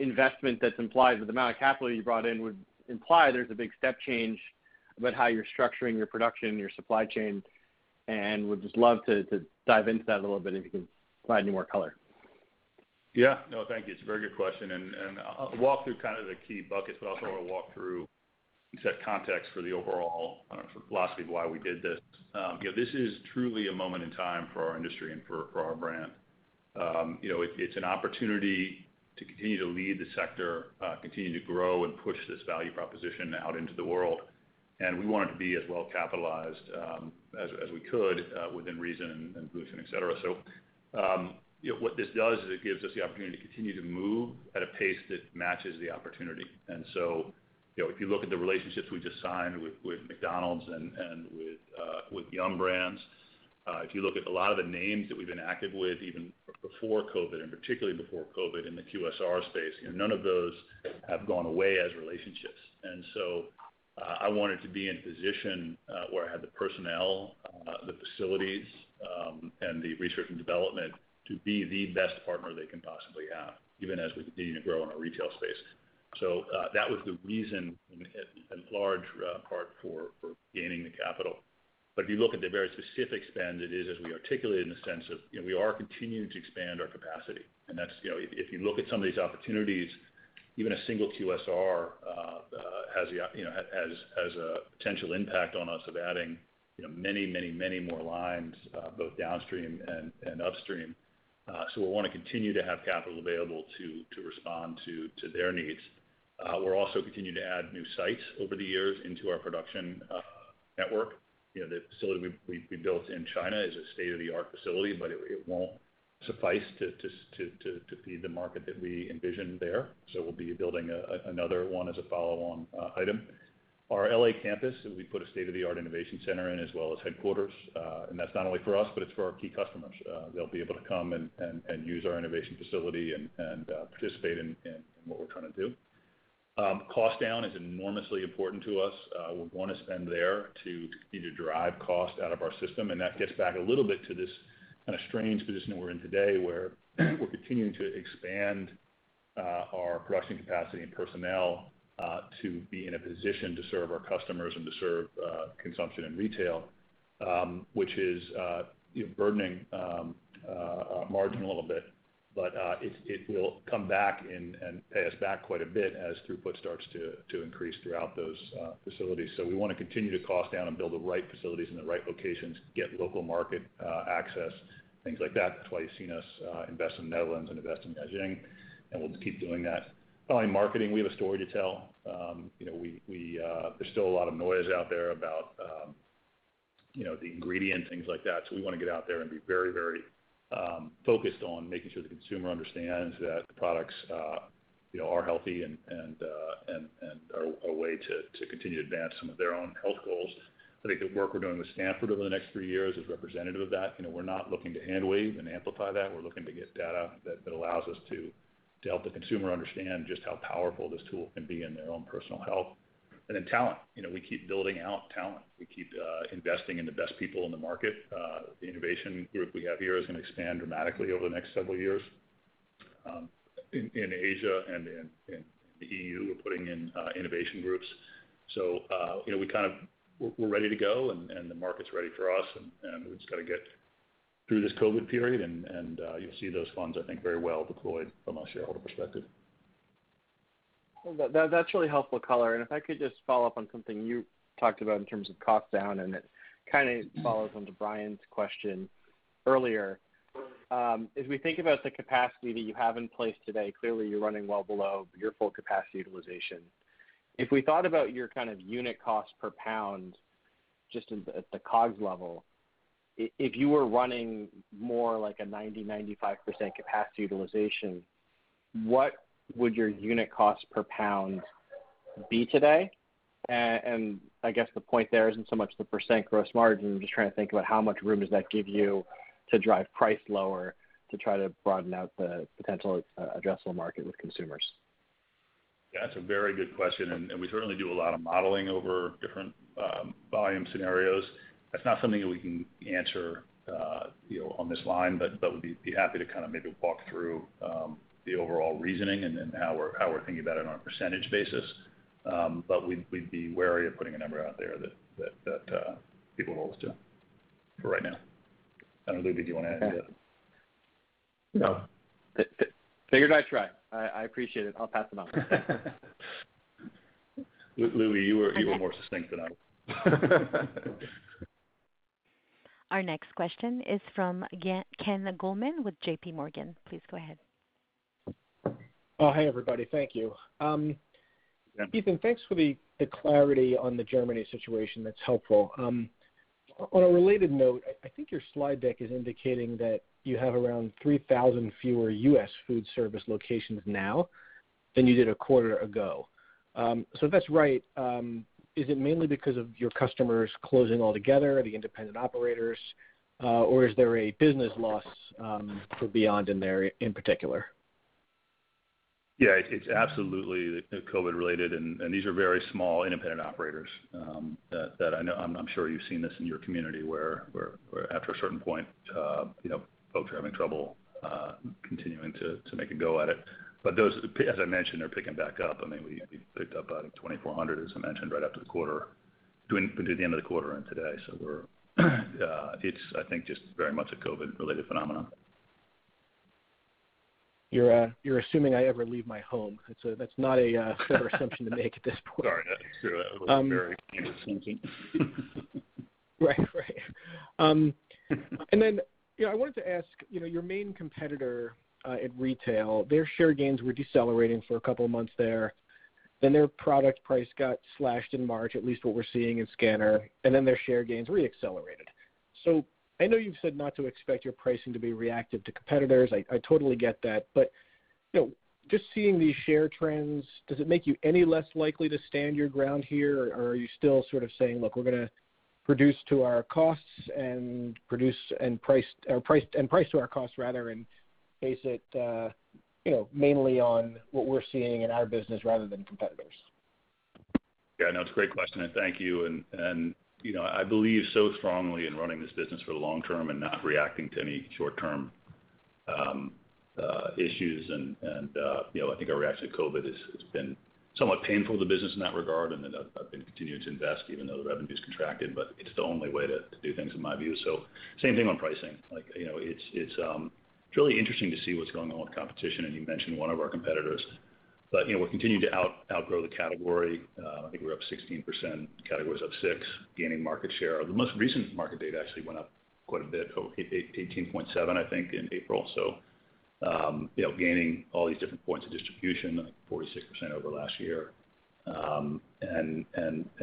investment that's implied with the amount of capital you brought in would imply there's a big step change about how you're structuring your production, your supply chain, and would just love to dive into that a little bit if you can provide any more color. Yeah. No, thank you. It's a very good question, and I'll walk through kind of the key buckets, but I also want to walk through and set context for the overall philosophy of why we did this. This is truly a moment in time for our industry and for our brand. It's an opportunity to continue to lead the sector, continue to grow and push this value proposition out into the world. We wanted to be as well-capitalized as we could within reason and dilution, et cetera. What this does is it gives us the opportunity to continue to move at a pace that matches the opportunity. If you look at the relationships we just signed with McDonald's and with Yum! Brands, if you look at a lot of the names that we've been active with even before COVID, and particularly before COVID in the QSR space, none of those have gone away as relationships. I wanted to be in a position where I had the personnel, the facilities, and the research and development to be the best partner they can possibly have, even as we continue to grow in our retail space. That was the reason and large part for gaining the capital. If you look at the very specific spend, it is as we articulated in the sense of we are continuing to expand our capacity. If you look at some of these opportunities, even a single QSR has a potential impact on us of adding many more lines both downstream and upstream. We want to continue to have capital available to respond to their needs. We'll also continue to add new sites over the years into our production network. The facility we built in China is a state-of-the-art facility, but it won't suffice to feed the market that we envision there. We'll be building another one as a follow-on item. Our L.A. campus, we put a state-of-the-art innovation center in, as well as headquarters. That's not only for us, but it's for our key customers. They'll be able to come and use our innovation facility and participate in what we're trying to do. Cost down is enormously important to us. We're going to spend there to continue to drive cost out of our system. That gets back a little bit to this kind of strange position that we're in today, where we're continuing to expand our production capacity and personnel to be in a position to serve our customers and to serve consumption and retail, which is burdening margin a little bit. It will come back and pay us back quite a bit as throughput starts to increase throughout those facilities. We want to continue to cost down and build the right facilities in the right locations, get local market access, things like that. That's why you've seen us invest in the Netherlands and invest in Beijing, and we'll keep doing that. Finally, marketing. We have a story to tell. There's still a lot of noise out there about the ingredient, things like that. We want to get out there and be very focused on making sure the consumer understands that the products are healthy and are a way to continue to advance some of their own health goals. I think the work we're doing with Stanford over the next three years is representative of that. We're not looking to hand wave and amplify that. We're looking to get data that allows us to help the consumer understand just how powerful this tool can be in their own personal health. Talent. We keep building out talent. We keep investing in the best people in the market. The innovation group we have here is going to expand dramatically over the next several years. In Asia and in the EU, we're putting in innovation groups. We're ready to go, and the market's ready for us, and we've just got to get through this COVID period, and you'll see those funds, I think, very well deployed from a shareholder perspective. Well, that's really helpful color. If I could just follow up on something you talked about in terms of cost down, it kind of follows onto Bryan's question earlier. As we think about the capacity that you have in place today, clearly you're running well below your full capacity utilization. If we thought about your kind of unit cost per pound, just at the COGS level, if you were running more like a 90%, 95% capacity utilization, what would your unit cost per pound be today? I guess the point there isn't so much the % gross margin. I'm just trying to think about how much room does that give you to drive price lower to try to broaden out the potential addressable market with consumers. That's a very good question. We certainly do a lot of modeling over different volume scenarios. That's not something that we can answer on this line. We would be happy to kind of maybe walk through the overall reasoning and then how we're thinking about it on a percentage basis. We'd be wary of putting a number out there that people hold us to for right now. I don't know, Lubi, do you want to add to that? No. Figured I'd try. I appreciate it. I'll pass it on. Lubi, you were more succinct than I was. Our next question is from Ken Goldman with J.P. Morgan. Please go ahead. Oh, hey, everybody. Thank you. Yeah. Ethan, thanks for the clarity on the Germany situation. That's helpful. On a related note, I think your slide deck is indicating that you have around 3,000 fewer U.S. food service locations now than you did a quarter ago. If that's right, is it mainly because of your customers closing altogether, the independent operators? Or is there a business loss for Beyond in there in particular? Yeah, it's absolutely COVID related, and these are very small independent operators that I'm sure you've seen this in your community, where after a certain point folks are having trouble continuing to make a go at it. Those, as I mentioned, are picking back up. We picked up about 2,400, as I mentioned, right after the quarter doing good to the end of the quarter and today. It's, I think just very much a COVID related phenomenon. You're assuming I ever leave my home. That's not a fair assumption to make at this point. Sorry. That's true. That was very. Right. I wanted to ask, your main competitor, in retail, their share gains were decelerating for a couple of months there, then their product price got slashed in March, at least what we're seeing in scanner. Their share gains re-accelerated. I know you've said not to expect your pricing to be reactive to competitors. I totally get that. Just seeing these share trends, does it make you any less likely to stand your ground here, or are you still sort of saying, "Look, we're going to produce to our costs and price to our costs," rather, and base it, mainly on what we're seeing in our business rather than competitors? Yeah, no, it's a great question. Thank you. I believe so strongly in running this business for the long term and not reacting to any short-term issues. I think our reaction to COVID has been somewhat painful to the business in that regard, and that I've been continuing to invest even though the revenue's contracted. It's the only way to do things in my view. Same thing on pricing. It's really interesting to see what's going on with competition, and you mentioned one of our competitors. We're continuing to outgrow the category. I think we're up 16%, category's up 6%, gaining market share. The most recent market data actually went up quite a bit. 18.7, I think, in April. Gaining all these different points of distribution, like 46% over last year.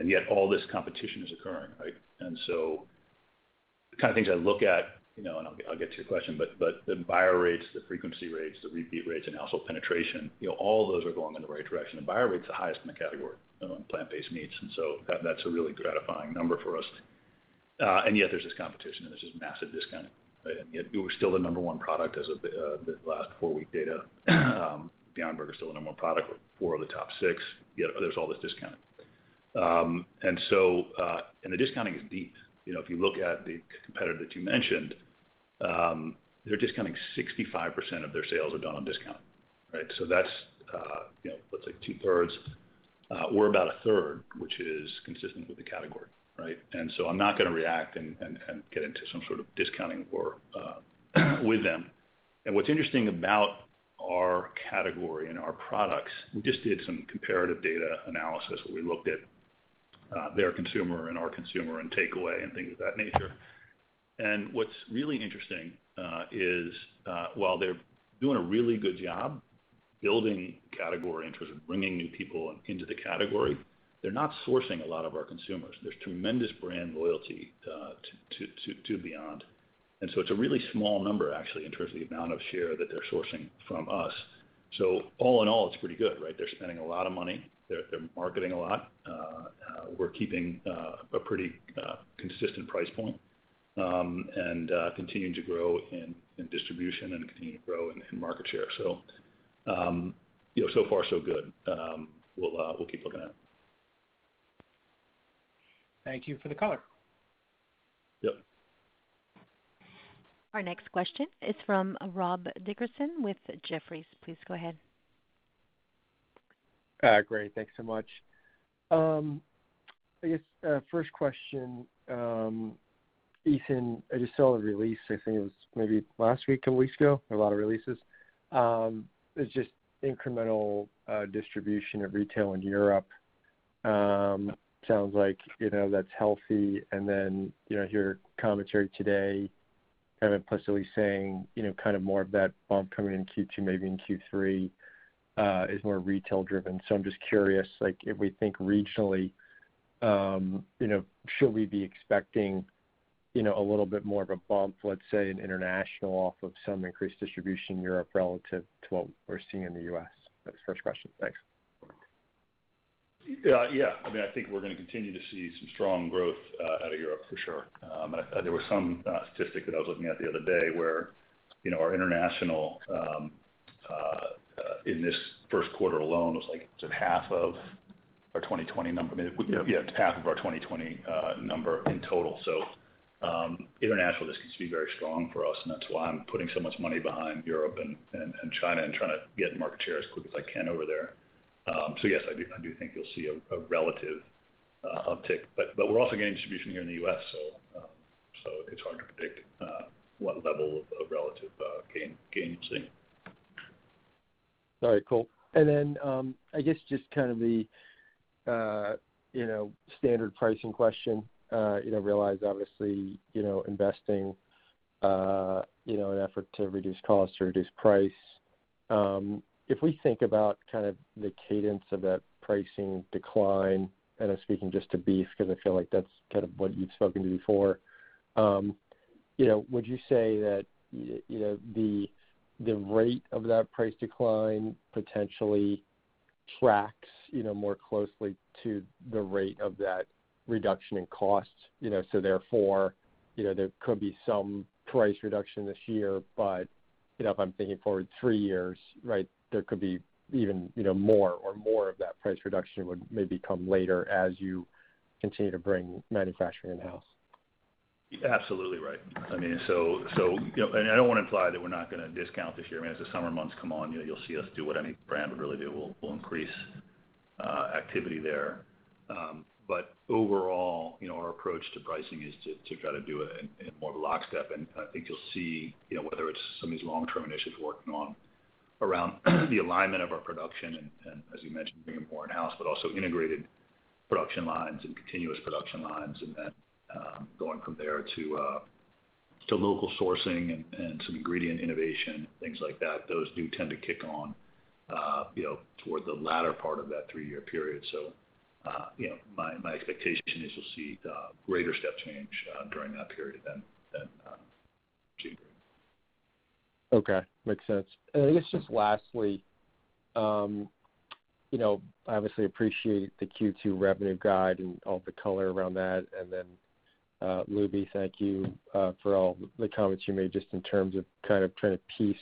Yet all this competition is occurring, right? The kind of things I look at, and I'll get to your question, but the buyer rates, the frequency rates, the repeat rates, and household penetration, all those are going in the right direction. The buyer rate's the highest in the category among plant-based meats, that's a really gratifying number for us. Yet there's this competition and there's this massive discounting. Yet we're still the number one product as of the last four-week data. Beyond Burger's still the number one product. We're four of the top six, yet there's all this discounting. The discounting is deep. If you look at the competitor that you mentioned, they're discounting 65% of their sales are done on discount. Right? That's like two-thirds. We're about a third, which is consistent with the category. Right? I'm not going to react and get into some sort of discounting war with them. What's interesting about our category and our products, we just did some comparative data analysis where we looked at their consumer and our consumer and takeaway and things of that nature. What's really interesting is, while they're doing a really good job building category interest and bringing new people into the category, they're not sourcing a lot of our consumers. There's tremendous brand loyalty to Beyond. It's a really small number, actually, in terms of the amount of share that they're sourcing from us. All in all, it's pretty good, right? They're spending a lot of money. They're marketing a lot. We're keeping a pretty consistent price point, and continuing to grow in distribution and continuing to grow in market share. So far so good. We'll keep looking at it. Thank you for the color. Yep. Our next question is from Rob Dickerson with Jefferies. Please go ahead. Great. Thanks so much. I guess, first question, Ethan, I just saw the release, I think it was maybe last week, two weeks ago, a lot of releases. It's just incremental distribution of retail in Europe. Sounds like that's healthy. Your commentary today kind of implicitly saying, kind of more of that bump coming in Q2, maybe in Q3, is more retail driven. I'm just curious, like if we think regionally, should we be expecting a little bit more of a bump, let's say, in international off of some increased distribution in Europe relative to what we're seeing in the U.S.? That's the first question. Thanks. I think we're going to continue to see some strong growth out of Europe for sure. There was some statistic that I was looking at the other day where our international, in this first quarter alone was like, it said half of our 2020 number. I mean, it's half of our 2020 number in total. International just keeps to be very strong for us, and that's why I'm putting so much money behind Europe and China and trying to get market share as quick as I can over there. Yes, I do think you'll see a relative uptick, but we're also getting distribution here in the U.S. so it's hard to predict what level of relative gain you'd see. All right, cool. I guess just kind of the standard pricing question. Realize obviously, investing in an effort to reduce costs or reduce price. If we think about kind of the cadence of that pricing decline, and I'm speaking just to beef, because I feel like that's kind of what you've spoken to before. Would you say that the rate of that price decline potentially tracks more closely to the rate of that reduction in costs, so therefore, there could be some price reduction this year, but, if I'm thinking forward three years right, there could be even more, or more of that price reduction would maybe come later as you continue to bring manufacturing in-house? Absolutely right. I don't want to imply that we're not going to discount this year. As the summer months come on, you'll see us do what any brand would really do. We'll increase activity there. Overall, our approach to pricing is to try to do it in more of a lockstep. I think you'll see, whether it's some of these long-term initiatives we're working on around the alignment of our production and, as you mentioned, bringing it more in-house, but also integrated production lines and continuous production lines, and then going from there to local sourcing and some ingredient innovation, things like that. Those do tend to kick on toward the latter part of that three-year period. My expectation is you'll see greater step change during that period than cheaper. Okay. Makes sense. I guess just lastly, I obviously appreciate the Q2 revenue guide and all the color around that. Lubi, thank you for all the comments you made just in terms of trying to piece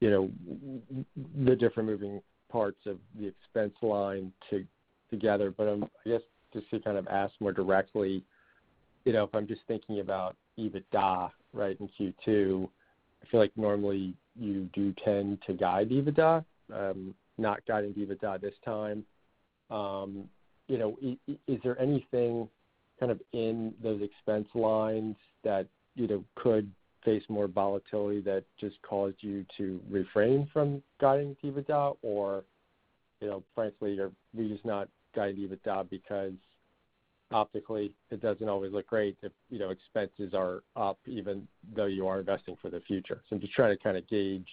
the different moving parts of the expense line together. I guess just to ask more directly, if I'm just thinking about EBITDA, right, in Q2, I feel like normally you do tend to guide EBITDA. Not guiding EBITDA this time. Is there anything in those expense lines that could face more volatility that just caused you to refrain from guiding EBITDA? Frankly, you're just not guiding EBITDA because optically, it doesn't always look great if expenses are up, even though you are investing for the future. I'm just trying to gauge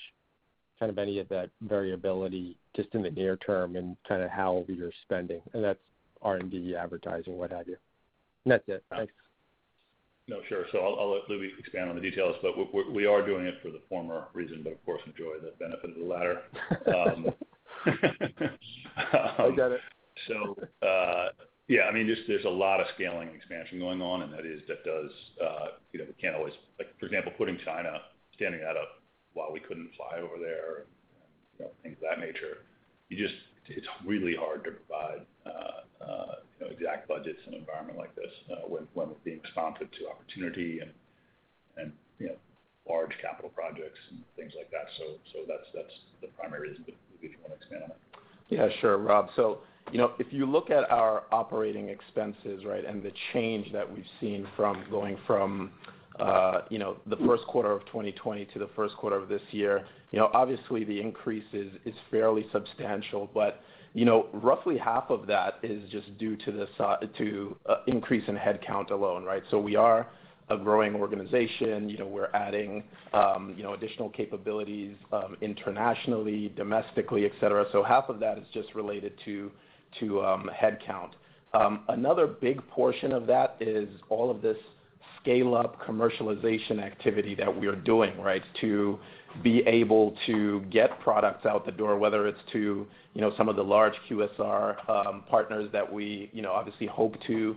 any of that variability just in the near term and how you're spending, and that's R&D, advertising, what have you. That's it. Thanks. No, sure. I'll let Lubi expand on the details, but we are doing it for the former reason, but of course, enjoy the benefit of the latter. I get it. There's a lot of scaling and expansion going on, and we can't always, like, for example, putting China, standing that up while we couldn't fly over there and things of that nature. It's really hard to provide exact budgets in an environment like this when we're being responsive to opportunity and large capital projects and things like that. That's the primary reason, but Lubi can expand on it. Yeah, sure, Rob. If you look at our operating expenses, and the change that we've seen from going from the first quarter of 2020 to the first quarter of this year, obviously the increase is fairly substantial. Roughly half of that is just due to increase in head count alone, right? We are a growing organization. We're adding additional capabilities internationally, domestically, et cetera. Half of that is just related to head count. Another big portion of that is all of this scale-up commercialization activity that we are doing to be able to get products out the door, whether it's to some of the large QSR partners that we obviously hope to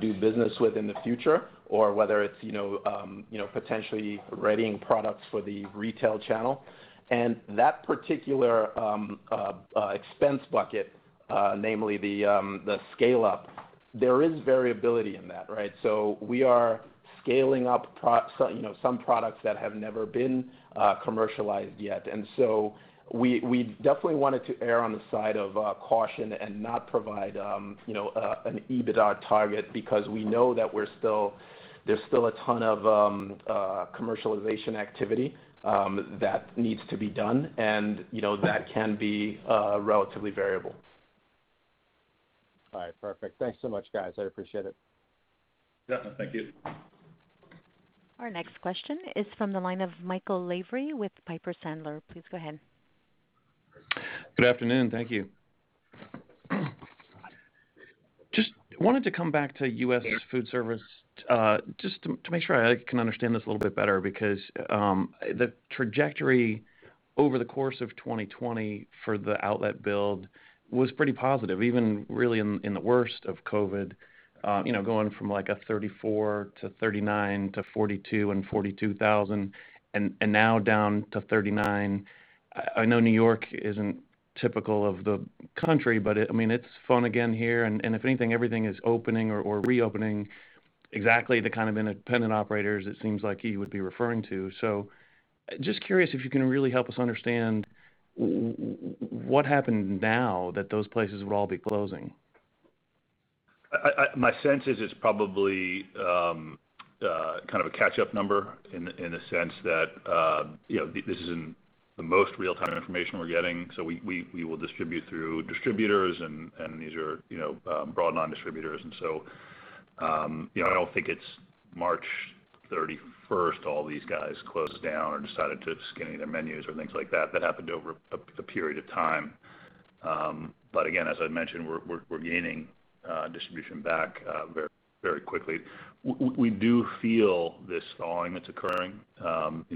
do business with in the future, or whether it's potentially readying products for the retail channel. That particular expense bucket, namely the scale-up, there is variability in that, right? We are scaling up some products that have never been commercialized yet. We definitely wanted to err on the side of caution and not provide an EBITDA target because we know that there's still a ton of commercialization activity that needs to be done, and that can be relatively variable. All right. Perfect. Thanks so much, guys. I appreciate it. Yeah. Thank you. Our next question is from the line of Michael Lavery with Piper Sandler. Please go ahead. Good afternoon. Thank you. Just wanted to come back to U.S. foodservice, just to make sure I can understand this a little bit better because the trajectory over the course of 2020 for the outlet build was pretty positive, even really in the worst of COVID, going from like a 34 to 39 to 42 and 42,000, and now down to 39. I know New York isn't typical of the country, but it's fun again here, and if anything, everything is opening or reopening, exactly the kind of independent operators it seems like you would be referring to. Just curious if you can really help us understand what happened now that those places would all be closing. My sense is it's probably a catch-up number in the sense that this isn't the most real-time information we're getting. We will distribute through distributors, and these are broad line distributors. I don't think it's March 31st, all these guys closed down or decided to skinny their menus or things like that. That happened over a period of time. Again, as I mentioned, we're gaining distribution back very quickly. We do feel this volume that's occurring. The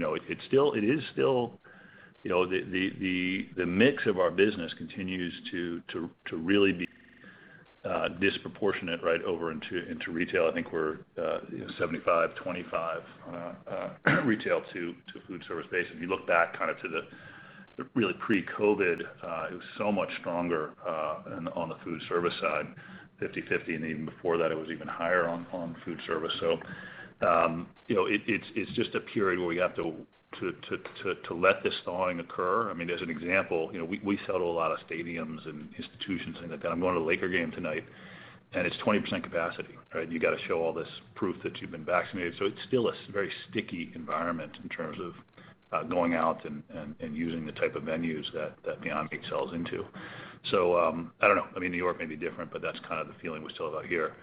mix of our business continues to really be disproportionate over into retail. I think we're 75/25 on that current retail to food service base. If you look back to the really pre-COVID, it was so much stronger on the food service side, 50/50, and even before that, it was even higher on food service. It's just a period where we have to let this thawing occur. As an example, we sell to a lot of stadiums and institutions. In fact, I'm going to the Lakers game tonight, and it's 20% capacity. You got to show all this proof that you've been vaccinated. It's still a very sticky environment in terms of going out and using the type of venues that Beyond Meat sells into. I don't know. New York may be different, but that's kind of the feeling we still got here.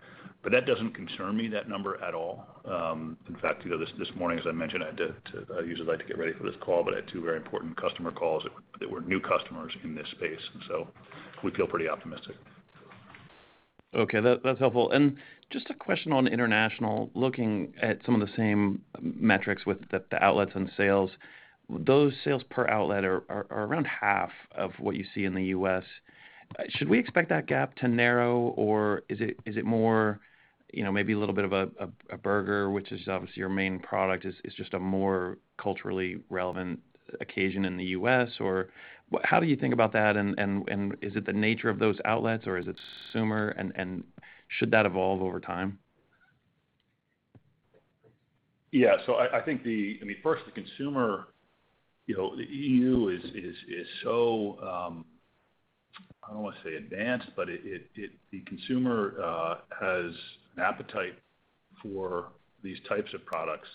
That doesn't concern me, that number, at all. In fact, this morning, as I mentioned, I usually like to get ready for this call, but I had two very important customer calls that were new customers in this space. We feel pretty optimistic. Okay, that's helpful. Just a question on international, looking at some of the same metrics with the outlets and sales, those sales per outlet are around half of what you see in the U.S. Should we expect that gap to narrow, or is it more maybe a little bit of a burger, which is obviously your main product, is just a more culturally relevant occasion in the U.S.? How do you think about that, and is it the nature of those outlets, or is it consumer, and should that evolve over time? I think, first the consumer, the EU is so I don't want to say advanced, but the consumer has an appetite for these types of products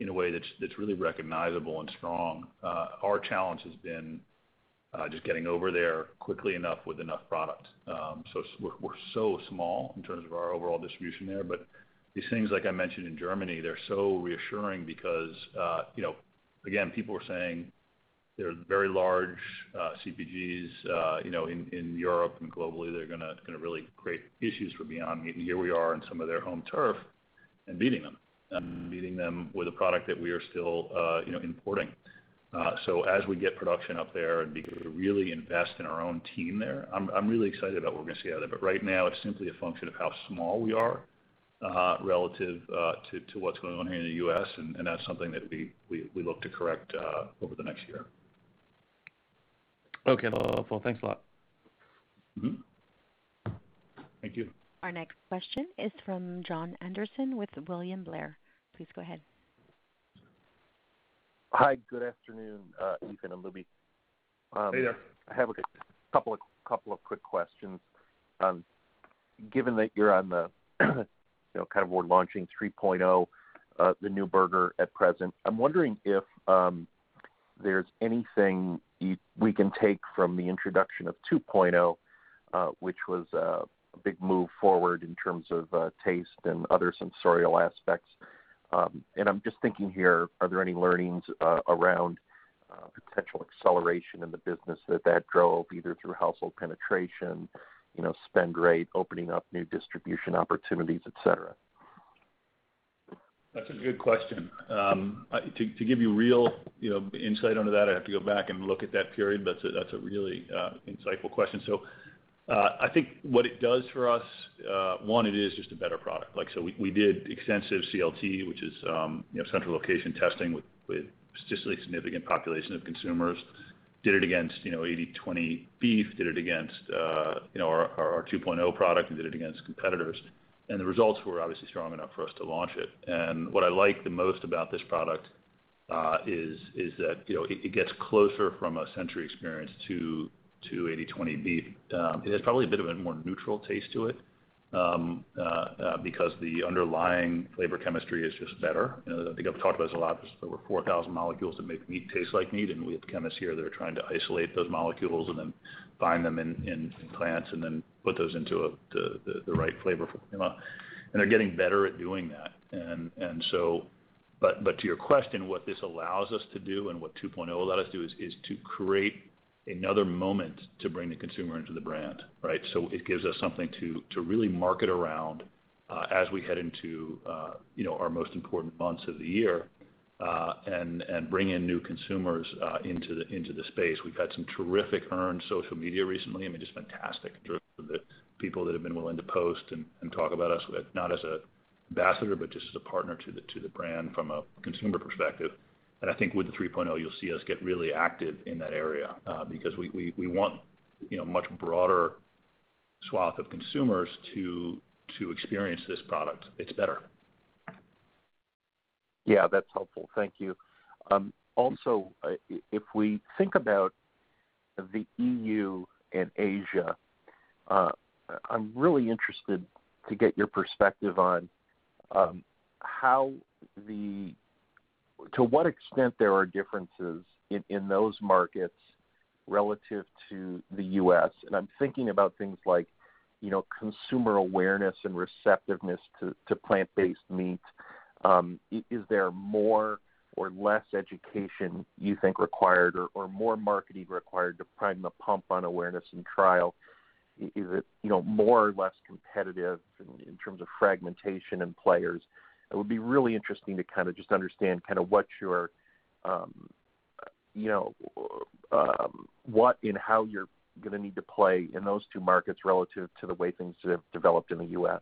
in a way that's really recognizable and strong. Our challenge has been just getting over there quickly enough with enough product. We're so small in terms of our overall distribution there, but these things, like I mentioned in Germany, they're so reassuring because again, people are saying there are very large CPGs in Europe and globally that are going to really create issues for Beyond Meat, and here we are on some of their home turf and beating them. Beating them with a product that we are still importing. As we get production up there and begin to really invest in our own team there, I'm really excited about what we're going to see out of it. Right now, it's simply a function of how small we are relative to what's going on here in the U.S., and that's something that we look to correct over the next year. Okay. Well, thanks a lot. Mm-hmm. Thank you. Our next question is from Jon Andersen with William Blair. Please go ahead. Hi. Good afternoon, Ethan and Lubi. Hey there. I have a couple of quick questions. Given that you're on the kind of word launching 3.0, the new burger at present, I'm wondering if there's anything we can take from the introduction of 2.0, which was a big move forward in terms of taste and other sensorial aspects. I'm just thinking here, are there any learnings around potential acceleration in the business that drove either through household penetration, spend rate, opening up new distribution opportunities, et cetera? That's a good question. To give you real insight onto that, I'd have to go back and look at that period. That's a really insightful question. I think what it does for us, one, it is just a better product. We did extensive CLT, which is central location testing with a statistically significant population of consumers. Did it against 80/20 beef, did it against our 2.0 product, and did it against competitors. The results were obviously strong enough for us to launch it. What I like the most about this product is that it gets closer from a sensory experience to 80/20 beef. It has probably a bit of a more neutral taste to it because the underlying flavor chemistry is just better. I think I've talked about this a lot. There's over 4,000 molecules that make meat taste like meat, and we have chemists here that are trying to isolate those molecules and then find them in plants and then put those into the right flavor profile. They're getting better at doing that. To your question, what this allows us to do and what 2.0 let us do is to create another moment to bring the consumer into the brand, right? It gives us something to really market around as we head into our most important months of the year, and bring in new consumers into the space. We've had some terrific earned social media recently. I mean, just fantastic driven by the people that have been willing to post and talk about us, not as a ambassador, but just as a partner to the brand from a consumer perspective. I think with the 3.0, you'll see us get really active in that area, because we want a much broader swath of consumers to experience this product. It's better. That's helpful. Thank you. If we think about the EU and Asia, I'm really interested to get your perspective on to what extent there are differences in those markets relative to the U.S. I'm thinking about things like consumer awareness and receptiveness to plant-based meat. Is there more or less education you think required or more marketing required to prime the pump on awareness and trial? Is it more or less competitive in terms of fragmentation and players? It would be really interesting to kind of just understand what and how you're going to need to play in those two markets relative to the way things have developed in the U.S.?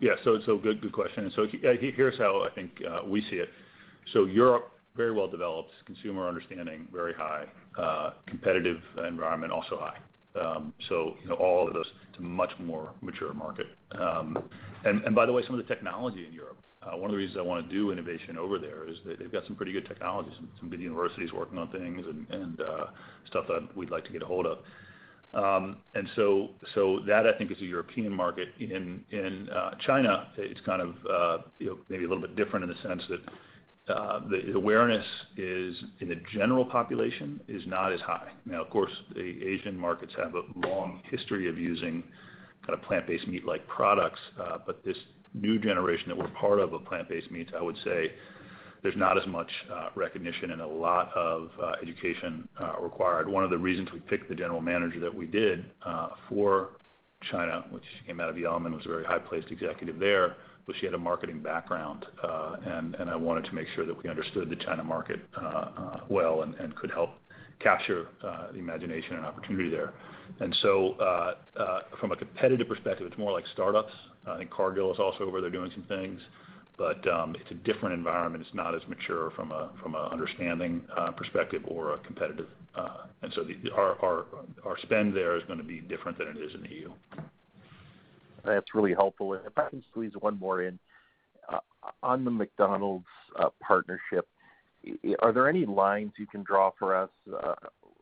Yeah. Good question. Here's how I think we see it. Europe, very well developed, consumer understanding, very high. Competitive environment, also high. All of those, it's a much more mature market. By the way, some of the technology in Europe, one of the reasons I want to do innovation over there is that they've got some pretty good technologies and some good universities working on things and stuff that we'd like to get a hold of. That I think is a European market. In China, it's kind of maybe a little bit different in the sense that the awareness in the general population is not as high. Now, of course, the Asian markets have a long history of using kind of plant-based meat-like products. This new generation that we're part of plant-based meats, I would say there's not as much recognition and a lot of education required. One of the reasons we picked the general manager that we did for China, which she came out of Beyond Meat and was a very high-placed executive there, was she had a marketing background. I wanted to make sure that we understood the China market well and could help capture the imagination and opportunity there. From a competitive perspective, it's more like startups. I think Cargill is also over there doing some things, but it's a different environment. It's not as mature from an understanding perspective or a competitive. Our spend there is going to be different than it is in the EU. That's really helpful. If I can squeeze one more in. On the McDonald's partnership, are there any lines you can draw for us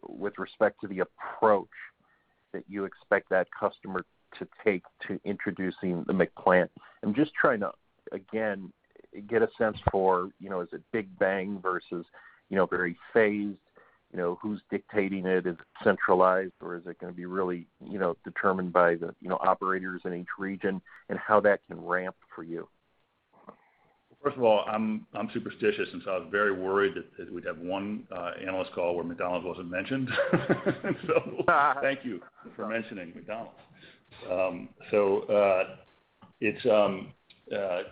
with respect to the approach that you expect that customer to take to introducing the McPlant? I'm just trying to, again, get a sense for, is it big bang versus very phased? Who's dictating it? Is it centralized or is it going to be really determined by the operators in each region and how that can ramp for you? First of all, I'm superstitious, and so I was very worried that we'd have one analyst call where McDonald's wasn't mentioned. Thank you for mentioning McDonald's. They're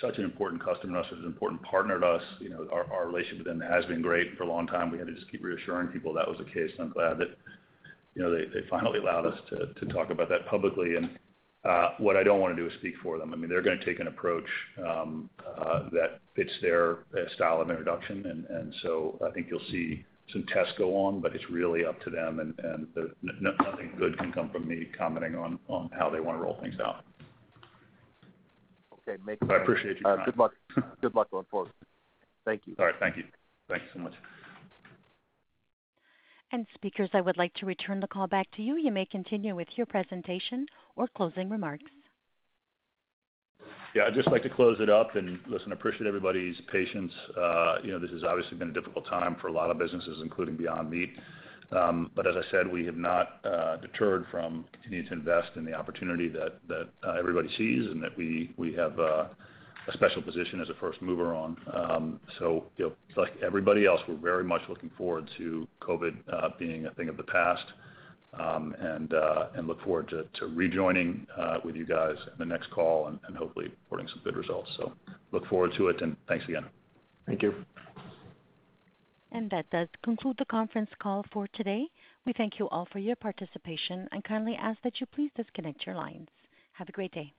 such an important customer to us, such an important partner to us. Our relationship with them has been great for a long time. We had to just keep reassuring people that was the case, and I'm glad that they finally allowed us to talk about that publicly. What I don't want to do is speak for them. They're going to take an approach that fits their style of introduction. I think you'll see some tests go on, but it's really up to them and nothing good can come from me commenting on how they want to roll things out. Okay, makes sense. I appreciate your time. Good luck going forward. Thank you. All right. Thank you. Thanks so much. Speakers, I would like to return the call back to you. You may continue with your presentation or closing remarks. Yeah, I'd just like to close it up and listen, appreciate everybody's patience. This has obviously been a difficult time for a lot of businesses, including Beyond Meat. As I said, we have not deterred from continuing to invest in the opportunity that everybody sees and that we have a special position as a first mover on. Like everybody else, we're very much looking forward to COVID being a thing of the past. Look forward to rejoining with you guys in the next call and hopefully reporting some good results. Look forward to it and thanks again. Thank you. That does conclude the conference call for today. We thank you all for your participation and kindly ask that you please disconnect your lines. Have a great day.